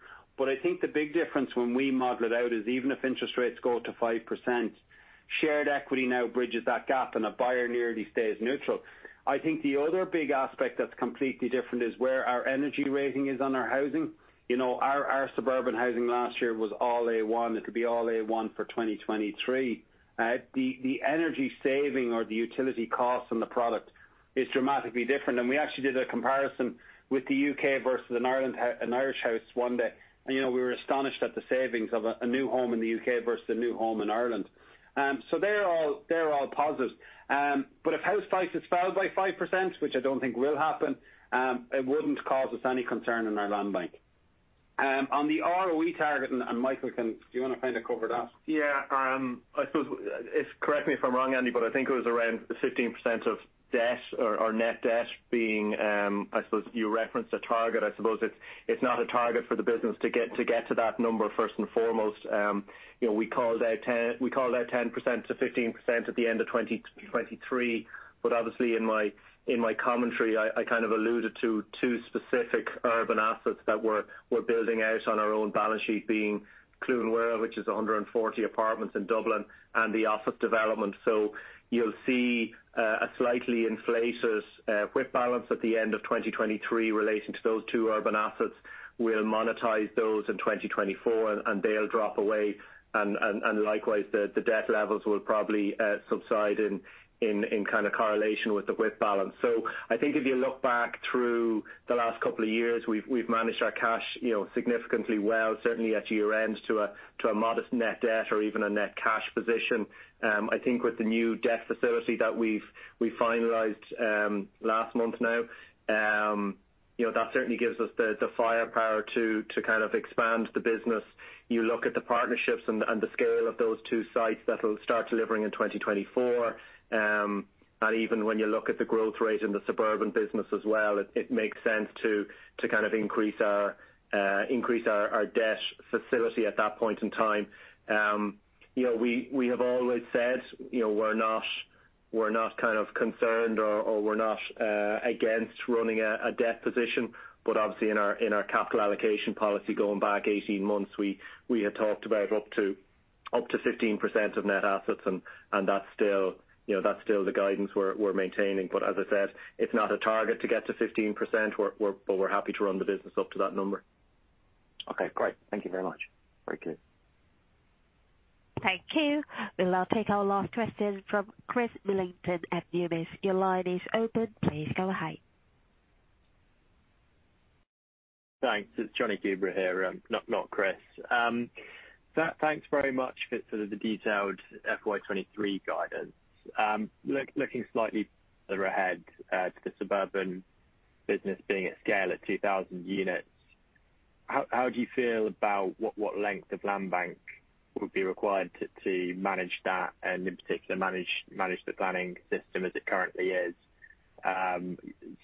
Speaker 3: I think the big difference when we model it out is even if interest rates go to 5%, shared equity now bridges that gap, and a buyer nearly stays neutral. I think the other big aspect that's completely different is where our energy rating is on our housing. You know, our suburban housing last year was all A1. It'll be all A1 for 2023. The energy saving or the utility costs on the product is dramatically different. We actually did a comparison with the U.K. versus an Irish house one day. You know, we were astonished at the savings of a new home in the U.K. versus a new home in Ireland. They're all positive. If house prices fell by 5%, which I don't think will happen, it wouldn't cause us any concern in our land bank. On the ROE target, and Michael, do you wanna kinda cover that?
Speaker 5: I suppose, correct me if I'm wrong, Andy, but I think it was around 15% of debt or net debt being, I suppose you referenced a target. I suppose it's not a target for the business to get to that number first and foremost. We called out 10%-15% at the end of 2023. Obviously in my commentary, I kind of alluded to two specific urban assets that we're building out on our own balance sheet being Cluain Mhuire, which is 140 apartments in Dublin, and the office development. You'll see a slightly inflated WIP balance at the end of 2023 relating to those two urban assets. We'll monetize those in 2024, and they'll drop away. Likewise, the debt levels will probably subside in kind of correlation with the WIP balance. I think if you look back through the last couple of years, we've managed our cash, you know, significantly well, certainly at year-end to a modest net debt or even a net cash position. I think with the new debt facility that we've finalized last month now, you know, that certainly gives us the firepower to kind of expand the business. You look at the partnerships and the scale of those two sites that'll start delivering in 2024. Even when you look at the growth rate in the suburban business as well, it makes sense to kind of increase our debt facility at that point in time. You know, we have always said, you know, we're not, we're not kind of concerned or we're not against running a debt position, but obviously in our, in our capital allocation policy going back 18 months, we had talked about up to, up to 15% of net assets, and that's still, you know, that's still the guidance we're maintaining. As I said, it's not a target to get to 15%. We're happy to run the business up to that number.
Speaker 8: Okay, great. Thank you very much. Very clear.
Speaker 1: Thank you. We'll now take our last question from Chris Millington at UBS. Your line is open. Please go ahead.
Speaker 9: Thanks. It's Jonny Coubrough here, not Chris. Thanks very much for sort of the detailed FY 2023 guidance. Looking slightly further ahead, to the suburban business being at scale at 2,000 units, how do you feel about what length of land bank would be required to manage that and in particular manage the planning system as it currently is?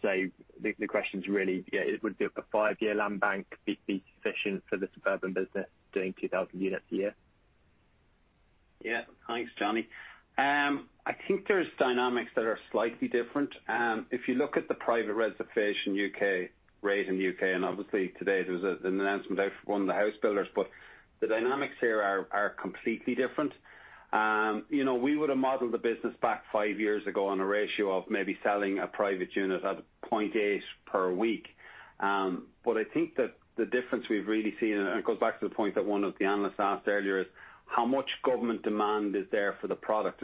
Speaker 9: The question's really, yeah, would a five-year land bank be sufficient for the suburban business doing 2,000 units a year?
Speaker 3: Yeah. Thanks, Johnny. I think there's dynamics that are slightly different. If you look at the private reservation U.K., rate in U.K., obviously today there was an announcement out from one of the house builders, the dynamics here are completely different. You know, we would have modeled the business back five years ago on a ratio of maybe selling a private unit at a 0.8 per week. I think that the difference we've really seen, and it goes back to the point that one of the analysts asked earlier, is how much government demand is there for the product?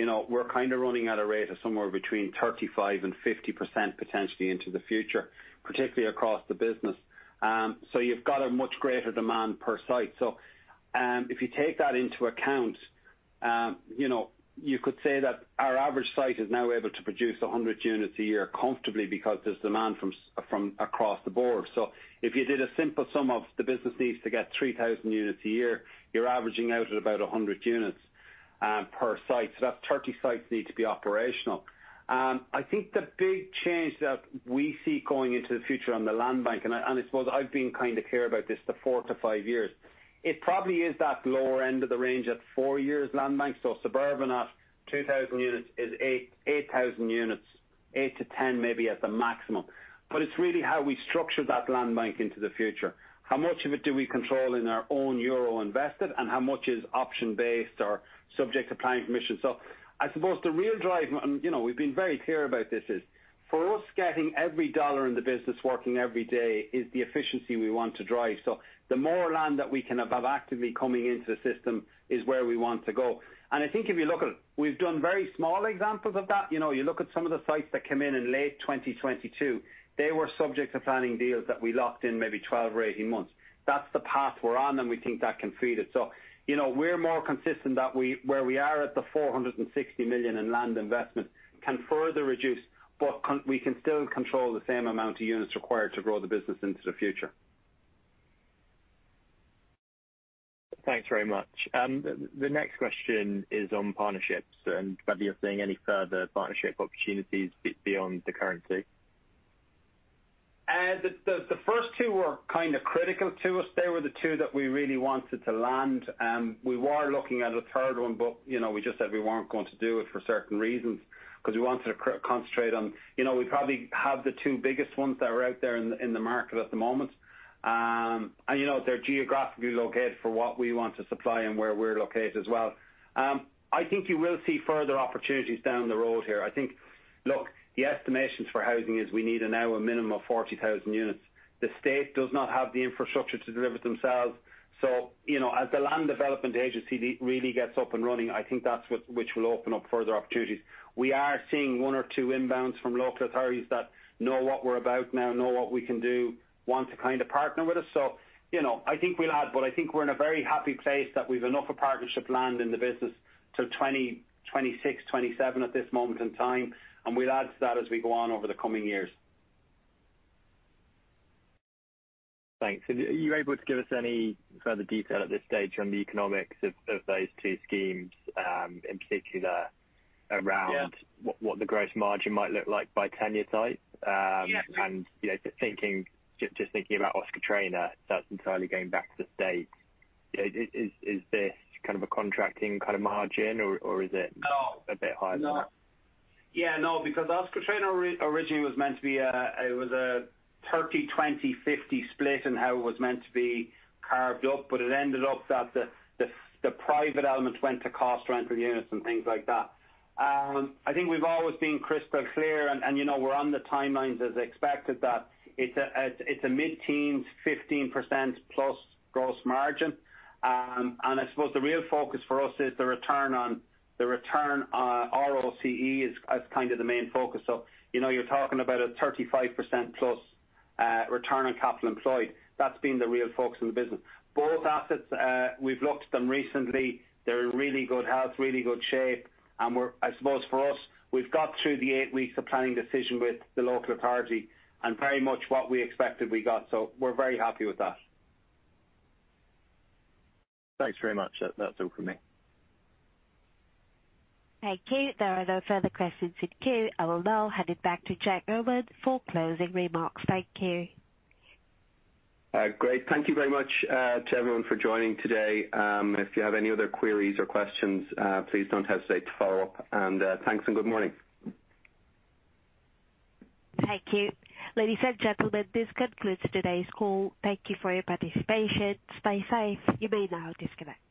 Speaker 3: You know, we're kinda running at a rate of somewhere between 35% and 50% potentially into the future, particularly across the business. You've got a much greater demand per site. If you take that into account, you know, you could say that our average site is now able to produce 100 units a year comfortably because there's demand from from across the board. If you did a simple sum of the business needs to get 3,000 units a year, you're averaging out at about 100 units. Per site. That's 30 sites need to be operational. I think the big change that we see going into the future on the landbank, and I suppose I've been kind of clear about this, the four to five years. It probably is that lower end of the range at four years landbank. Suburban at 2,000 units is 8,000 units, 8-10 maybe at the maximum. It's really how we structure that landbank into the future. How much of it do we control in our own euro invested and how much is option-based or subject to planning permission? I suppose the real drive, and you know, we've been very clear about this is, for us, getting every dollar in the business working every day is the efficiency we want to drive. The more land that we can have actively coming into the system is where we want to go. I think if you look at. We've done very small examples of that. You know, you look at some of the sites that came in in late 2022, they were subject to planning deals that we locked in maybe 12 or 18 months. That's the path we're on, and we think that can feed it. You know, we're more consistent that we where we are at the 460 million in land investment can further reduce, but we can still control the same amount of units required to grow the business into the future.
Speaker 9: Thanks very much. The next question is on partnerships and whether you're seeing any further partnership opportunities beyond the current two.
Speaker 3: The first two were kind of critical to us. They were the two that we really wanted to land. We were looking at a third one, but, you know, we just said we weren't going to do it for certain reasons because we wanted to concentrate on. You know, we probably have the two biggest ones that are out there in the market at the moment. You know, they're geographically located for what we want to supply and where we're located as well. Look, the estimations for housing is we need now a minimum of 40,000 units. The State does not have the infrastructure to deliver themselves. You know, as the Land Development Agency really gets up and running, I think that's what-- which will open up further opportunities. We are seeing one or two inbounds from local authorities that know what we're about now, know what we can do, want to kind of partner with us. You know, I think we'll add, but I think we're in a very happy place that we've enough of partnership land in the business till 2026, 2027 at this moment in time, and we'll add to that as we go on over the coming years.
Speaker 9: Thanks. are you able to give us any further detail at this stage on the economics of those two schemes, in particular.
Speaker 3: Yeah.
Speaker 9: what the gross margin might look like by tenure type?
Speaker 3: Yeah.
Speaker 9: You know, thinking, just thinking about Oscar Traynor, that's entirely going back to the state. Is this kind of a contracting margin or is it-
Speaker 3: No.
Speaker 9: a bit higher than that?
Speaker 3: Because Oscar Traynor originally was meant to be a, it was a 30-20-50 split in how it was meant to be carved up, but it ended up that the private elements went to Cost Rental units and things like that. I think we've always been crystal clear and, you know, we're on the timelines as expected that it's a mid-teens, 15% plus gross margin. And I suppose the real focus for us is the return on ROCE is kind of the main focus. So, you know, you're talking about a 35% plus return on capital employed. That's been the real focus in the business. Both assets, we've looked at them recently. They're in really good health, really good shape. I suppose for us, we've got through the eight weeks of planning decision with the local authority and very much what we expected we got, so we're very happy with that.
Speaker 9: Thanks very much. That's all from me.
Speaker 1: Thank you. There are no further questions in queue. I will now hand it back to Jack Gorman for closing remarks. Thank you.
Speaker 2: Great. Thank you very much to everyone for joining today. If you have any other queries or questions, please don't hesitate to follow up and thanks and good morning.
Speaker 1: Thank you. Ladies and gentlemen, this concludes today's call. Thank you for your participation. Stay safe. You may now disconnect.